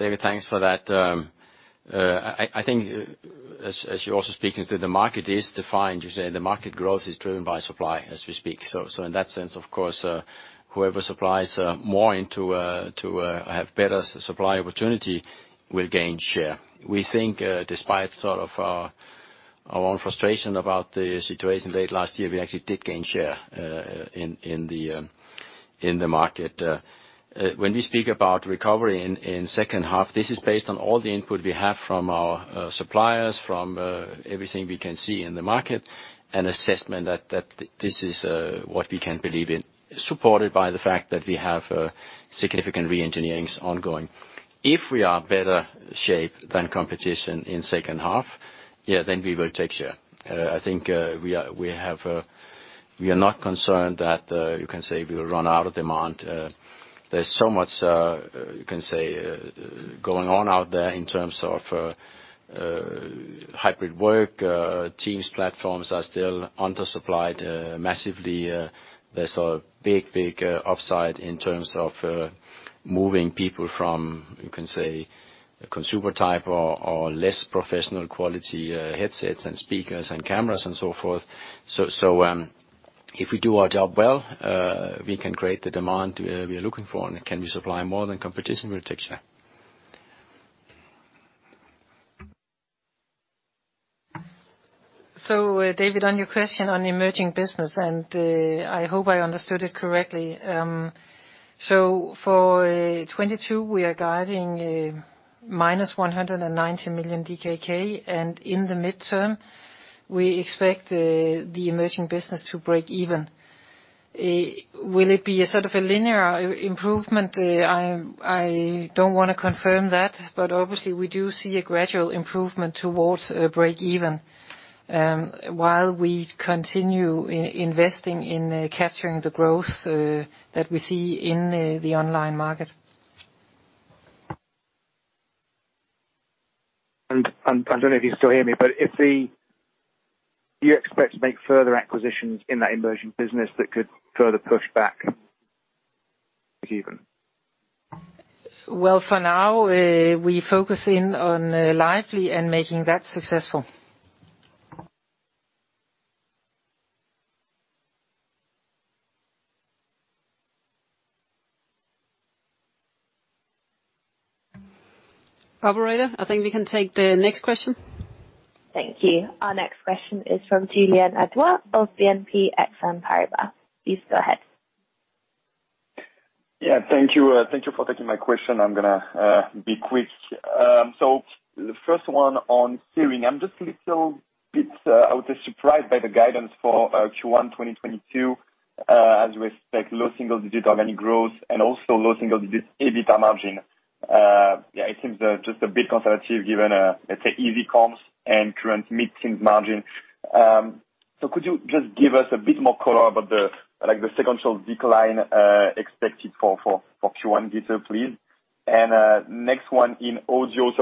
Speaker 4: David, thanks for that. I think as you're also speaking to, the market is defined. You say the market growth is driven by supply as we speak. In that sense, of course, whoever supplies more into it to have better supply opportunity will gain share. We think, despite sort of our own frustration about the situation late last year, we actually did gain share in the market. When we speak about recovery in second half, this is based on all the input we have from our suppliers, from everything we can see in the market, an assessment that this is what we can believe in, supported by the fact that we have significant re-engineerings ongoing. If we are in better shape than competition in second half, yeah, then we will take share. I think we are not concerned that you can say we will run out of demand. There's so much you can say going on out there in terms of hybrid work. Teams platforms are still undersupplied massively. There's a big upside in terms of moving people from you can say consumer type or less professional quality headsets and speakers and cameras and so forth. If we do our job well, we can create the demand we are looking for, and if we can supply more than competition, we'll take share.
Speaker 3: David, on your question on emerging business, I hope I understood it correctly. For 2022, we are guiding -190 million DKK, and in the midterm, we expect the emerging business to break even. Will it be a sort of a linear improvement? I don't wanna confirm that, but obviously we do see a gradual improvement towards break even, while we continue investing in capturing the growth that we see in the online market.
Speaker 11: I don't know if you still hear me. Do you expect to make further acquisitions in that emerging business that could further push back even?
Speaker 3: Well, for now, we focus in on Lively and making that successful. Operator, I think we can take the next question.
Speaker 5: Thank you. Our next question is from Julien Ouaddour of Exane BNP Paribas. Please go ahead.
Speaker 12: Yeah, thank you. Thank you for taking my question. I'm gonna be quick. The first one on hearing. I'm just little bit, I would say, surprised by the guidance for Q1 2022. As we expect low single-digit organic growth and also low single-digit EBITDA margin. Yeah, it seems just a bit conservative given, let's say, easy comps and current mid-teens margin. Could you just give us a bit more color about the, like, the sequential decline expected for Q1 detail, please? Next one in audio.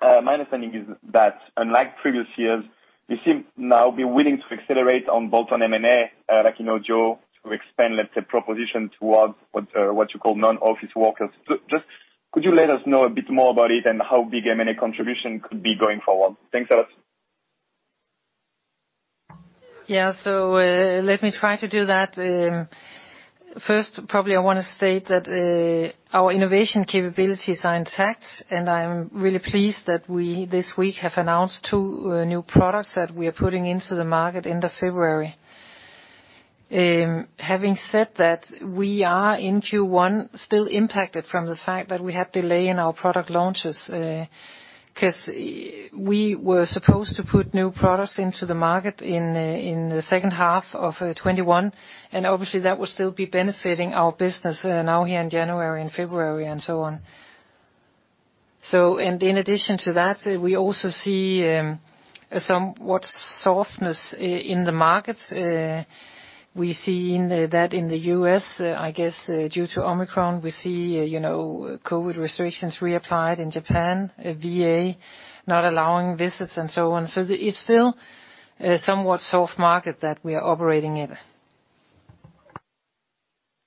Speaker 12: My understanding is that unlike previous years, you seem to now be willing to accelerate on bolt-on M&A, like in Ojo, to expand, let's say, proposition towards what you call non-office workers. Just could you let us know a bit more about it and how big M&A contribution could be going forward? Thanks a lot.
Speaker 3: Yeah. Let me try to do that. First, probably I wanna state that our innovation capabilities are intact, and I'm really pleased that we, this week, have announced two new products that we are putting into the market end of February. Having said that, we are in Q1 still impacted from the fact that we had delay in our product launches, because we were supposed to put new products into the market in the second half of 2021, and obviously that would still be benefiting our business now here in January and February and so on. In addition to that, we also see some softness in the markets. We see that in the U.S., I guess, due to Omicron, we see, you know, COVID restrictions reapplied in Japan, VA not allowing visits and so on. It's still a somewhat soft market that we are operating in.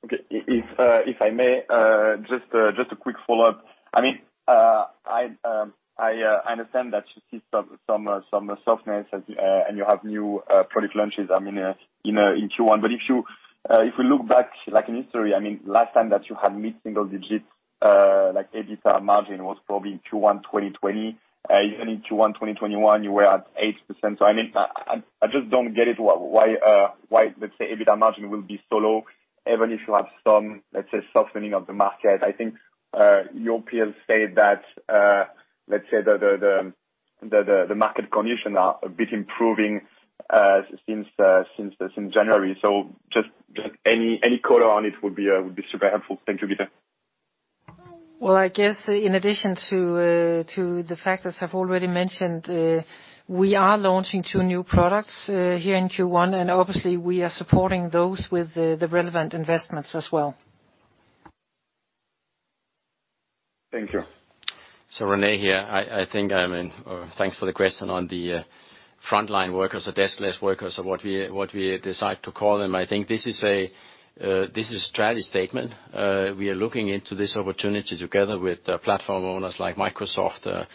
Speaker 12: Okay. If I may, just a quick follow-up. I mean, I understand that you see some softness and you have new product launches, I mean, you know, in Q1. If you look back, like, in history, I mean, last time that you had mid-single digits, like EBITDA margin was probably in Q1 2020. Even in Q1 2021, you were at 8%. I mean, I just don't get it, why, let's say, EBITDA margin will be so low even if you have some, let's say, softening of the market. I think your peers said that, let's say, the market conditions are a bit improving since January. Just any color on it would be super helpful. Thank you, Gitte.
Speaker 3: Well, I guess in addition to the factors I've already mentioned, we are launching two new products here in Q1, and obviously we are supporting those with the relevant investments as well.
Speaker 12: Thank you.
Speaker 4: René here. Thanks for the question on the frontline workers or deskless workers or what we decide to call them. I think this is a strategy statement. We are looking into this opportunity together with the platform owners like Microsoft,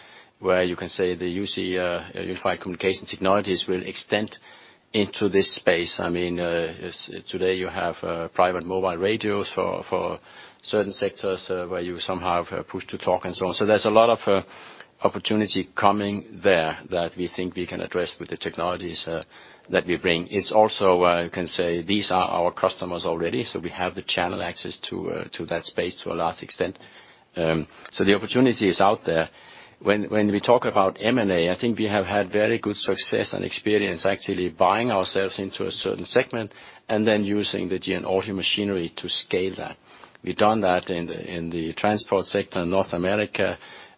Speaker 4: where you can say the UC, Unified Communications Technologies will extend into this space. I mean, today you have private mobile radios for certain sectors, where you somehow have push to talk and so on. There's a lot of opportunity coming there that we think we can address with the technologies that we bring. It's also you can say these are our customers already, so we have the channel access to that space to a large extent. The opportunity is out there. When we talk about M&A, I think we have had very good success and experience actually buying ourselves into a certain segment and then using the GN Audio machinery to scale that. We've done that in the transport sector in North America,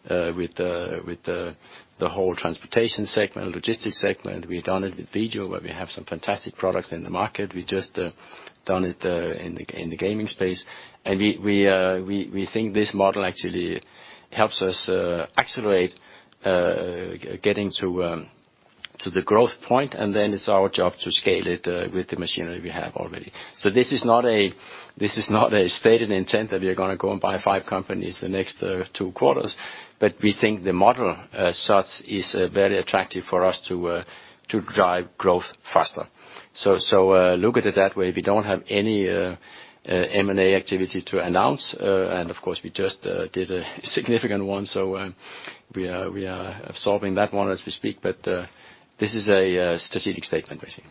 Speaker 4: with the whole transportation segment, logistics segment. We've done it with Video, where we have some fantastic products in the market. We just done it in the gaming space. We think this model actually helps us accelerate getting to the growth point, and then it's our job to scale it with the machinery we have already. This is not a stated intent that we are gonna go and buy five companies the next two quarters. We think the model as such is very attractive for us to drive growth faster. Look at it that way. We don't have any M&A activity to announce. Of course, we just did a significant one, so we are absorbing that one as we speak. This is a strategic statement we're making.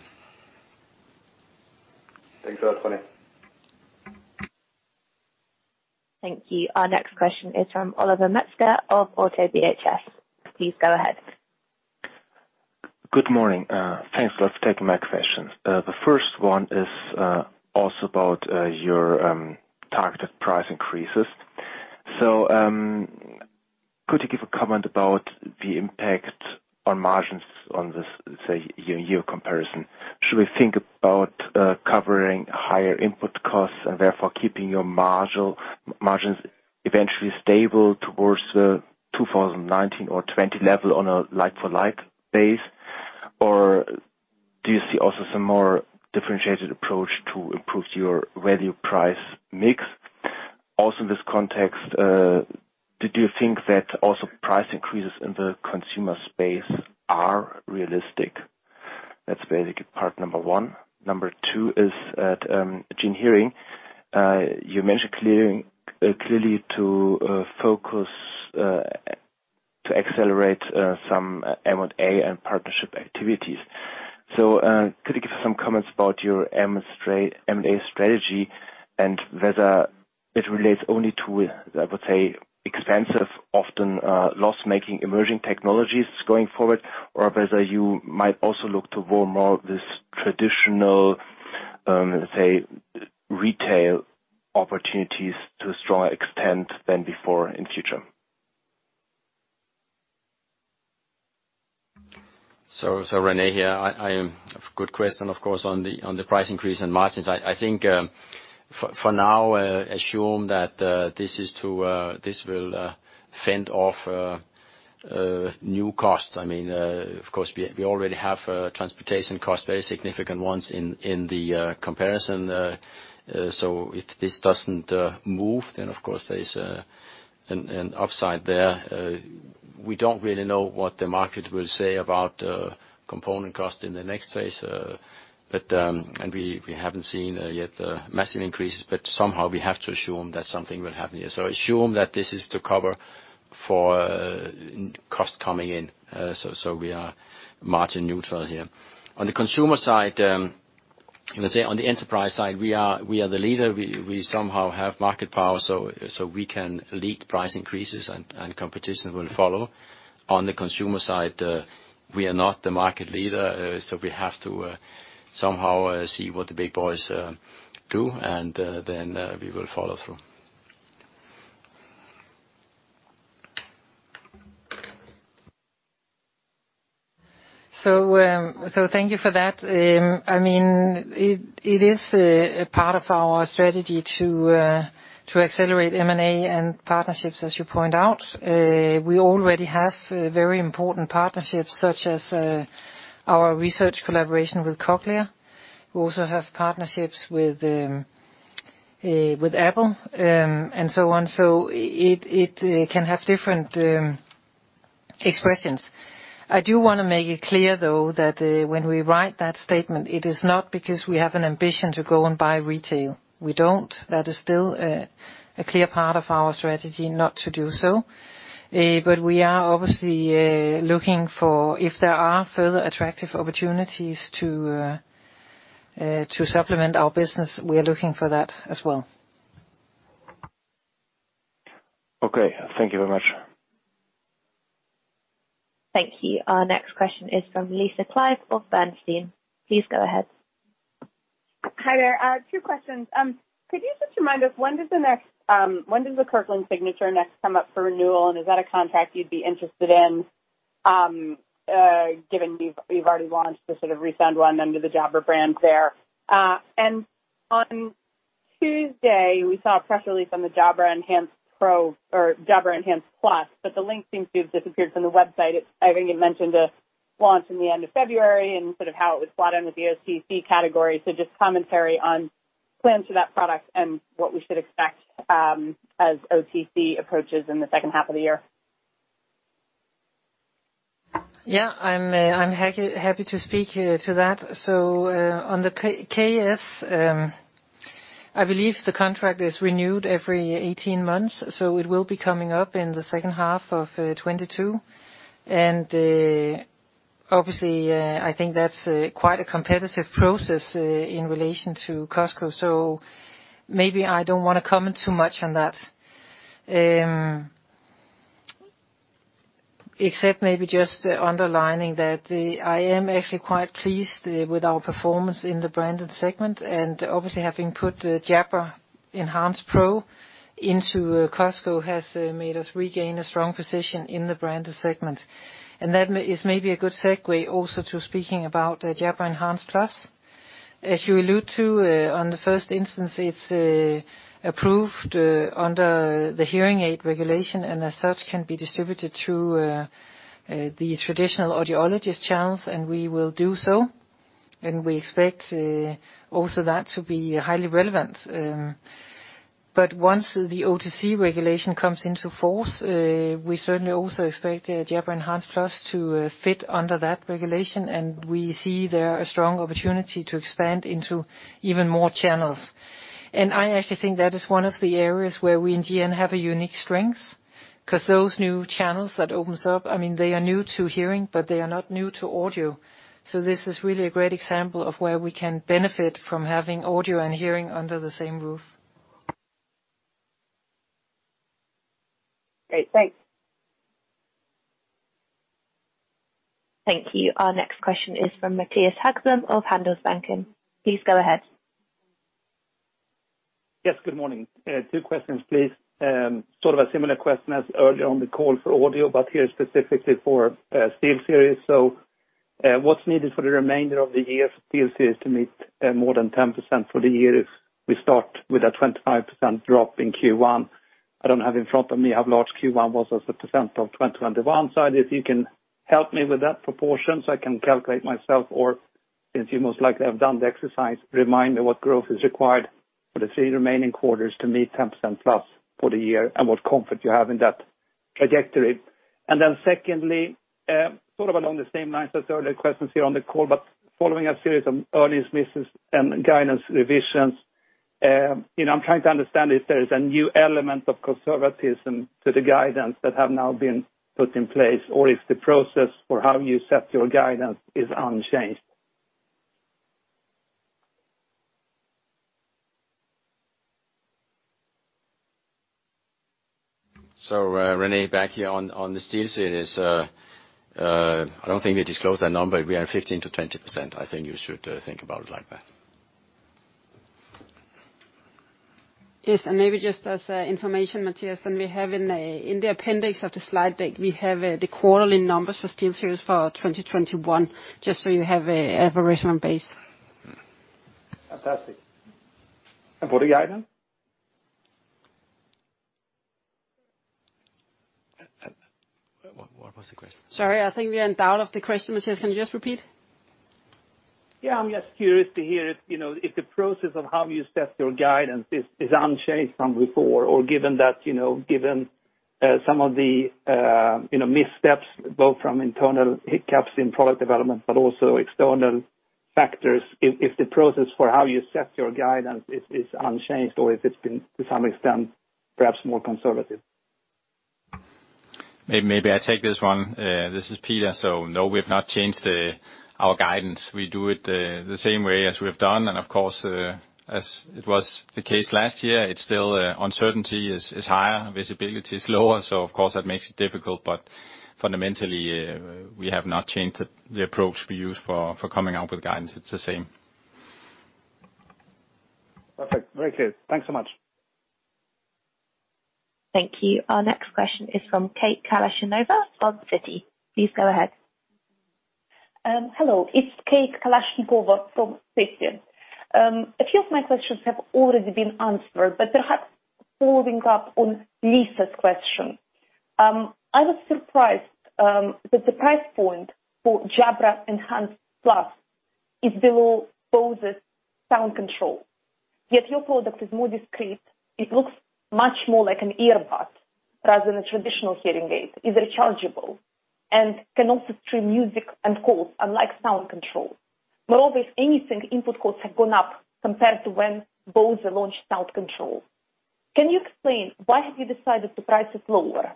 Speaker 12: Thanks a lot, René.
Speaker 5: Thank you. Our next question is from Oliver Metzger of ODDO BHF. Please go ahead.
Speaker 13: Good morning. Thanks. Let's take my questions. The first one is also about your targeted price increases. Could you give a comment about the impact on margins on this year-on-year comparison? Should we think about covering higher input costs and therefore keeping your margins eventually stable towards 2019 or 2020 level on a like-for-like basis? Or do you see also some more differentiated approach to improve your value price mix? Also in this context, did you think that also price increases in the consumer space are realistic? That's basically part one. Number two is at GN Hearing. You mentioned clearly to focus to accelerate some M&A and partnership activities. Could you give us some comments about your M&A strategy and whether it relates only to, I would say, expensive, often, loss-making emerging technologies going forward, or whether you might also look to warm more to this traditional, say, retail opportunities to a stronger extent than before in future?
Speaker 4: René here. Good question, of course, on the price increase in margins. I think, for now, assume that this will fend off new costs. I mean, of course we already have transportation costs, very significant ones in the comparison. If this doesn't move, then of course there's an upside there. We don't really know what the market will say about component costs in the next phase. But we haven't seen yet massive increases, but somehow we have to assume that something will happen here. Assume that this is to cover for costs coming in, so we are margin neutral here. On the consumer side, let's say on the enterprise side, we are the leader. We somehow have market power, so we can lead price increases and competition will follow. On the consumer side, we are not the market leader, so we have to somehow see what the big boys do, and then we will follow through.
Speaker 3: Thank you for that. I mean, it is a part of our strategy to accelerate M&A and partnerships, as you point out. We already have very important partnerships, such as our research collaboration with Cochlear. We also have partnerships with Apple and so on. It can have different expressions. I do wanna make it clear though that when we write that statement, it is not because we have an ambition to go and buy retail. We don't. That is still a clear part of our strategy not to do so. We are obviously looking for if there are further attractive opportunities to supplement our business, we are looking for that as well.
Speaker 13: Okay. Thank you very much.
Speaker 5: Thank you. Our next question is from Lisa Clive of Bernstein. Please go ahead.
Speaker 14: Hi there. Two questions. Could you just remind us, when does the Kirkland Signature next come up for renewal? Is that a contract you'd be interested in, given you've already launched the sort of ReSound ONE under the Jabra brand there? On Tuesday, we saw a press release on the Jabra Enhance Pro or Jabra Enhance Plus, but the link seems to have disappeared from the website. I think it mentioned a launch in the end of February and sort of how it would slot in with the OTC category. Just commentary on plans for that product and what we should expect, as OTC approaches in the second half of the year.
Speaker 3: Yeah. I'm happy to speak to that. On the KS, I believe the contract is renewed every 18 months, so it will be coming up in the second half of 2022. Obviously, I think that's quite a competitive process in relation to Costco. Maybe I don't wanna comment too much on that. Except maybe just underlining that, I am actually quite pleased with our performance in the branded segment. Obviously having put Jabra Enhance Pro into Costco has made us regain a strong position in the branded segment. That is maybe a good segue also to speaking about Jabra Enhance Plus. As you allude to, on the first instance, it's approved under the hearing aid regulation, and as such can be distributed through the traditional audiologist channels, and we will do so. We expect also that to be highly relevant. Once the OTC regulation comes into force, we certainly also expect Jabra Enhance Plus to fit under that regulation, and we see there a strong opportunity to expand into even more channels. I actually think that is one of the areas where we in GN have a unique strength, because those new channels that opens up, I mean, they are new to hearing, but they are not new to audio. This is really a great example of where we can benefit from having audio and hearing under the same roof.
Speaker 14: Great. Thanks.
Speaker 5: Thank you. Our next question is from Mattias Häggblom of Handelsbanken. Please go ahead.
Speaker 15: Yes, good morning. Two questions, please. Sort of a similar question as earlier on the call for audio, but here specifically for SteelSeries. What's needed for the remainder of the year for SteelSeries to meet more than 10% for the year if we start with a 25% drop in Q1? I don't have in front of me how large Q1 was as a percent of 2021, so I don't know if you can help me with that proportion so I can calculate myself, or since you most likely have done the exercise, remind me what growth is required for the three remaining quarters to meet 10% plus for the year, and what comfort you have in that trajectory. Then secondly, sort of along the same lines as earlier questions here on the call, but following a series of earnings misses and guidance revisions, you know, I'm trying to understand if there is a new element of conservatism to the guidance that have now been put in place, or if the process for how you set your guidance is unchanged?
Speaker 4: René, back here on the SteelSeries, I don't think we disclosed that number. We are 15%-20%. I think you should think about it like that.
Speaker 3: Yes. Maybe just as information, Mattias, then we have in the appendix of the slide deck the quarterly numbers for SteelSeries for 2021, just so you have a reasonable base.
Speaker 15: Fantastic.
Speaker 4: What was the question?
Speaker 3: Sorry. I think we are in doubt of the question, Mattias. Can you just repeat?
Speaker 15: Yeah. I'm just curious to hear if, you know, if the process of how you set your guidance is unchanged from before, or given that, you know, given some of the, you know, missteps, both from internal hiccups in product development, but also external factors, if the process for how you set your guidance is unchanged or if it's been, to some extent, perhaps more conservative.
Speaker 2: Maybe I take this one. This is Peter. No, we've not changed our guidance. We do it the same way as we have done. Of course, as it was the case last year, it's still uncertainty is higher, visibility is lower, so of course that makes it difficult. Fundamentally, we have not changed the approach we use for coming out with guidance. It's the same.
Speaker 15: Perfect. Very clear. Thanks so much.
Speaker 5: Thank you. Our next question is from Kate Kalashnikova from Citi. Please go ahead.
Speaker 16: Hello. It's Kate Kalashnikova from Citi. A few of my questions have already been answered, but perhaps following up on Lisa's question. I was surprised that the price point for Jabra Enhance Plus is below Bose's SoundControl. Yet your product is more discreet. It looks much more like an earbud rather than a traditional hearing aid, is rechargeable, and can also stream music and calls, unlike SoundControl. Moreover, if anything, input costs have gone up compared to when Bose launched SoundControl. Can you explain why have you decided to price it lower?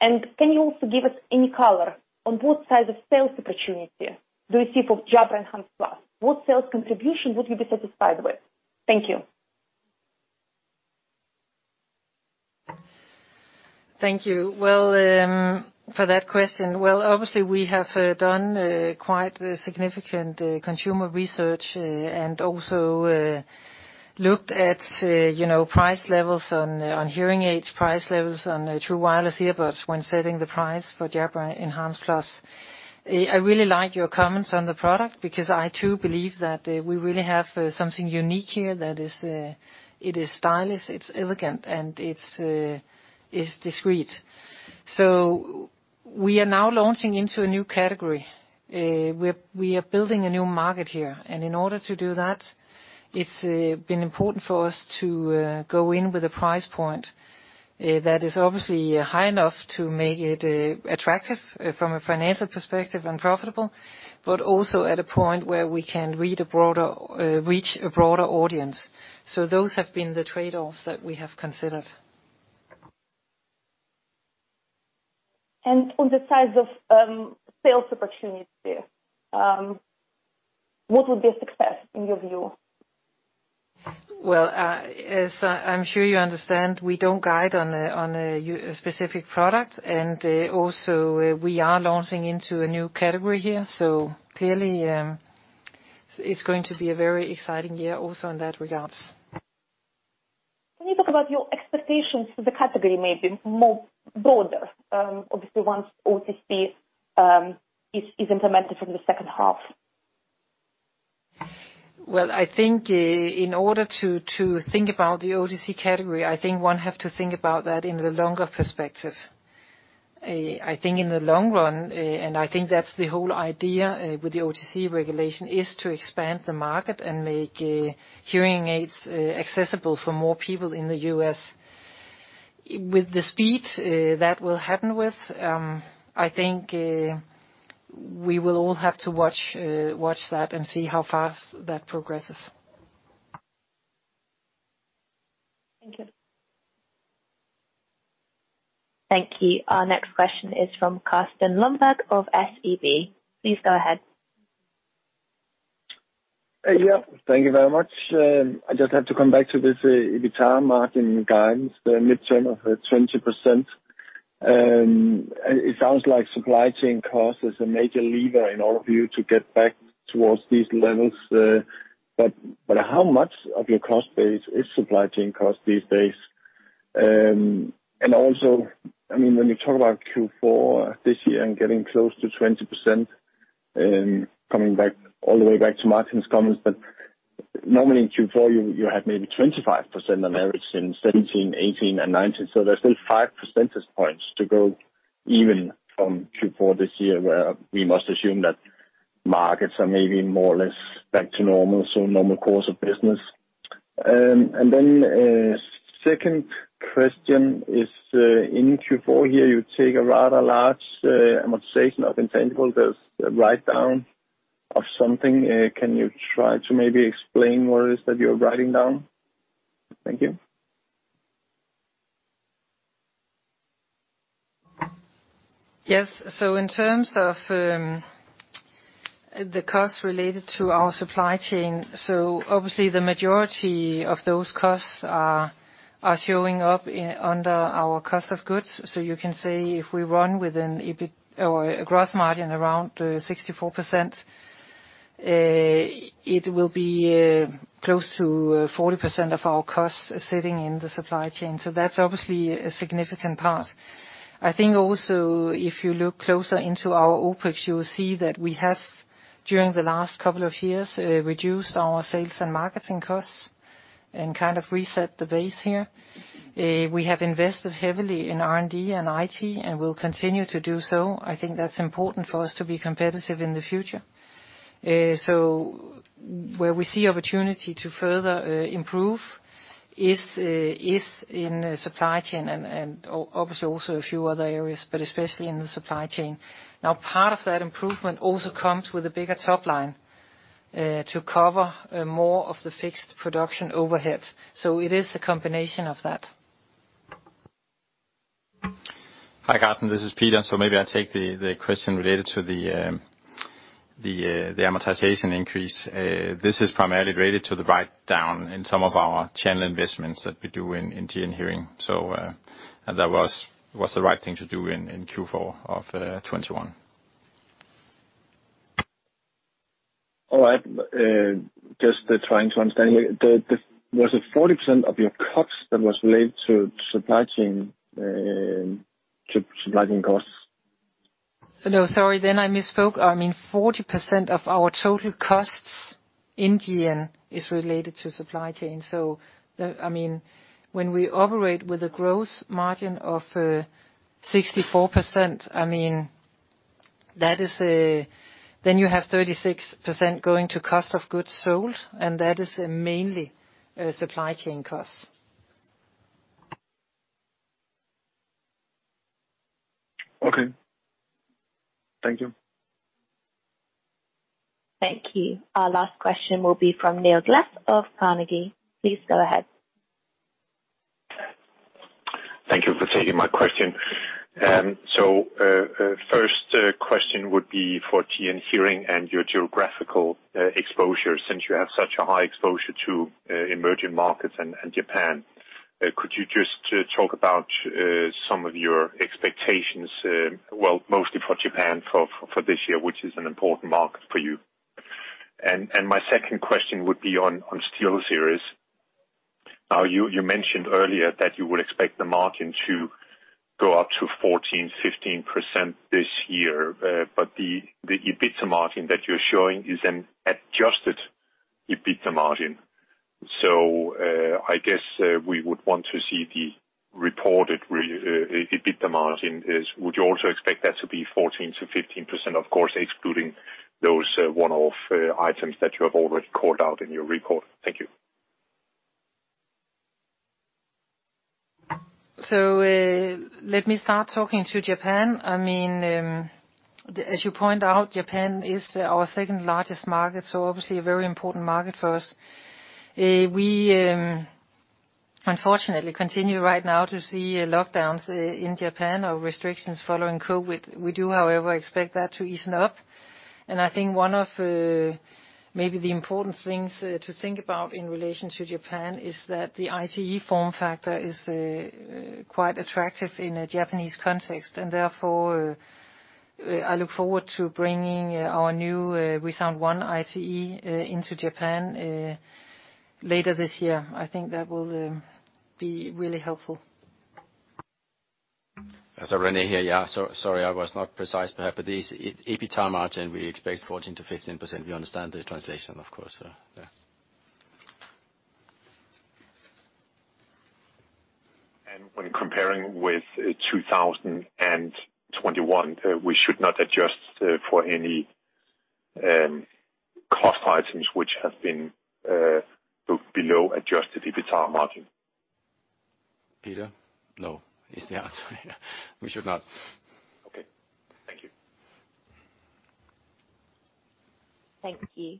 Speaker 16: And can you also give us any color on what size of sales opportunity do you see for Jabra Enhance Plus? What sales contribution would you be satisfied with? Thank you.
Speaker 3: Thank you. Well, for that question. Well, obviously, we have done quite significant consumer research, and also looked at you know price levels on hearing aids, price levels on true wireless earbuds when setting the price for Jabra Enhance Plus. I really like your comments on the product because I too believe that we really have something unique here that is stylish, it's elegant, and it's discreet. We are now launching into a new category. We are building a new market here. In order to do that, it's been important for us to go in with a price point that is obviously high enough to make it attractive from a financial perspective and profitable, but also at a point where we can reach a broader audience. Those have been the trade-offs that we have considered.
Speaker 16: On the size of sales opportunity, what would be a success in your view?
Speaker 3: Well, as I'm sure you understand, we don't guide on a specific product. Also, we are launching into a new category here, so clearly, it's going to be a very exciting year also in that regards.
Speaker 16: Can you talk about your expectations for the category maybe more broader, obviously once OTC is implemented from the second half?
Speaker 3: Well, I think, in order to think about the OTC category, I think one have to think about that in the longer perspective. I think in the long run, and I think that's the whole idea with the OTC regulation, is to expand the market and make hearing aids accessible for more people in the U.S. With the speed that will happen with, I think, we will all have to watch that and see how fast that progresses.
Speaker 16: Thank you.
Speaker 5: Thank you. Our next question is from Carsten Lønborg of SEB. Please go ahead.
Speaker 17: Yeah. Thank you very much. I just have to come back to this, EBITDA margin guidance, the midterm of 20%. It sounds like supply chain cost is a major lever in all of you to get back towards these levels. How much of your cost base is supply chain cost these days? Also, I mean, when you talk about Q4 this year and getting close to 20%, coming back all the way back to Martin's comments, but normally in Q4 you have maybe 25% on average since 2017, 2018 and 2019, so there's still five percentage points to go even from Q4 this year, where we must assume that markets are maybe more or less back to normal, so normal course of business. Second question is, in Q4 here, you take a rather large amortization of intangible. There's a write-down of something. Can you try to maybe explain what it is that you're writing down? Thank you.
Speaker 3: Yes. In terms of the costs related to our supply chain, obviously the majority of those costs are showing up under our cost of goods. You can say if we run a gross margin around 64%, it will be close to 40% of our costs sitting in the supply chain. That's obviously a significant part. I think also if you look closer into our OpEx, you will see that we have, during the last couple of years, reduced our sales and marketing costs and kind of reset the base here. We have invested heavily in R&D and IT, and will continue to do so. I think that's important for us to be competitive in the future. Where we see opportunity to further improve is in the supply chain and obviously also a few other areas, but especially in the supply chain. Now part of that improvement also comes with a bigger top line to cover more of the fixed production overheads. It is a combination of that.
Speaker 2: Hi, Carsten, this is Peter. Maybe I take the question related to the amortization increase. This is primarily related to the write-down in some of our channel investments that we do in GN Hearing. That was the right thing to do in Q4 of 2021.
Speaker 17: All right. Just trying to understand. Was it 40% of your costs that was related to supply chain costs?
Speaker 3: No, sorry, I misspoke. I mean, 40% of our total costs in GN is related to supply chain. I mean, when we operate with a gross margin of 64%, I mean, that is a. You have 36% going to cost of goods sold, and that is mainly supply chain costs.
Speaker 17: Okay. Thank you.
Speaker 5: Thank you. Our last question will be from Niels Leth of Carnegie. Please go ahead.
Speaker 18: Thank you for taking my question. First question would be for GN Hearing and your geographical exposure. Since you have such a high exposure to emerging markets and Japan, could you just talk about some of your expectations, well, mostly for Japan for this year, which is an important market for you? My second question would be on SteelSeries. Now you mentioned earlier that you would expect the margin to go up to 14%-15% this year. But the EBITDA margin that you're showing is an adjusted EBITDA margin. I guess we would want to see the reported EBITDA margin is. Would you also expect that to be 14%-15%, of course, excluding those one-off items that you have already called out in your report? Thank you.
Speaker 3: Let me start talking to Japan. I mean, as you point out, Japan is our second-largest market, so obviously a very important market for us. We unfortunately continue right now to see lockdowns in Japan or restrictions following COVID. We do, however, expect that to ease up. I think one of maybe the important things to think about in relation to Japan is that the ITE form factor is quite attractive in a Japanese context. Therefore, I look forward to bringing our new ReSound ONE ITE into Japan later this year. I think that will be really helpful.
Speaker 4: René here. Yeah, sorry I was not precise perhaps. This EBITDA margin, we expect 14%-15%. We understand the translation, of course. Yeah.
Speaker 18: When comparing with 2021, we should not adjust for any cost items which have been below adjusted EBITDA margin?
Speaker 4: Peter? No is the answer. We should not.
Speaker 18: Okay. Thank you.
Speaker 5: Thank you.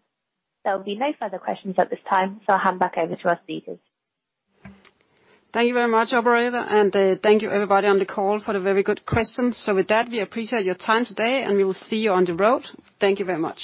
Speaker 5: There'll be no further questions at this time. I'll hand back over to our speakers.
Speaker 1: Thank you very much, operator. Thank you everybody on the call for the very good questions. With that, we appreciate your time today, and we will see you on the road. Thank you very much.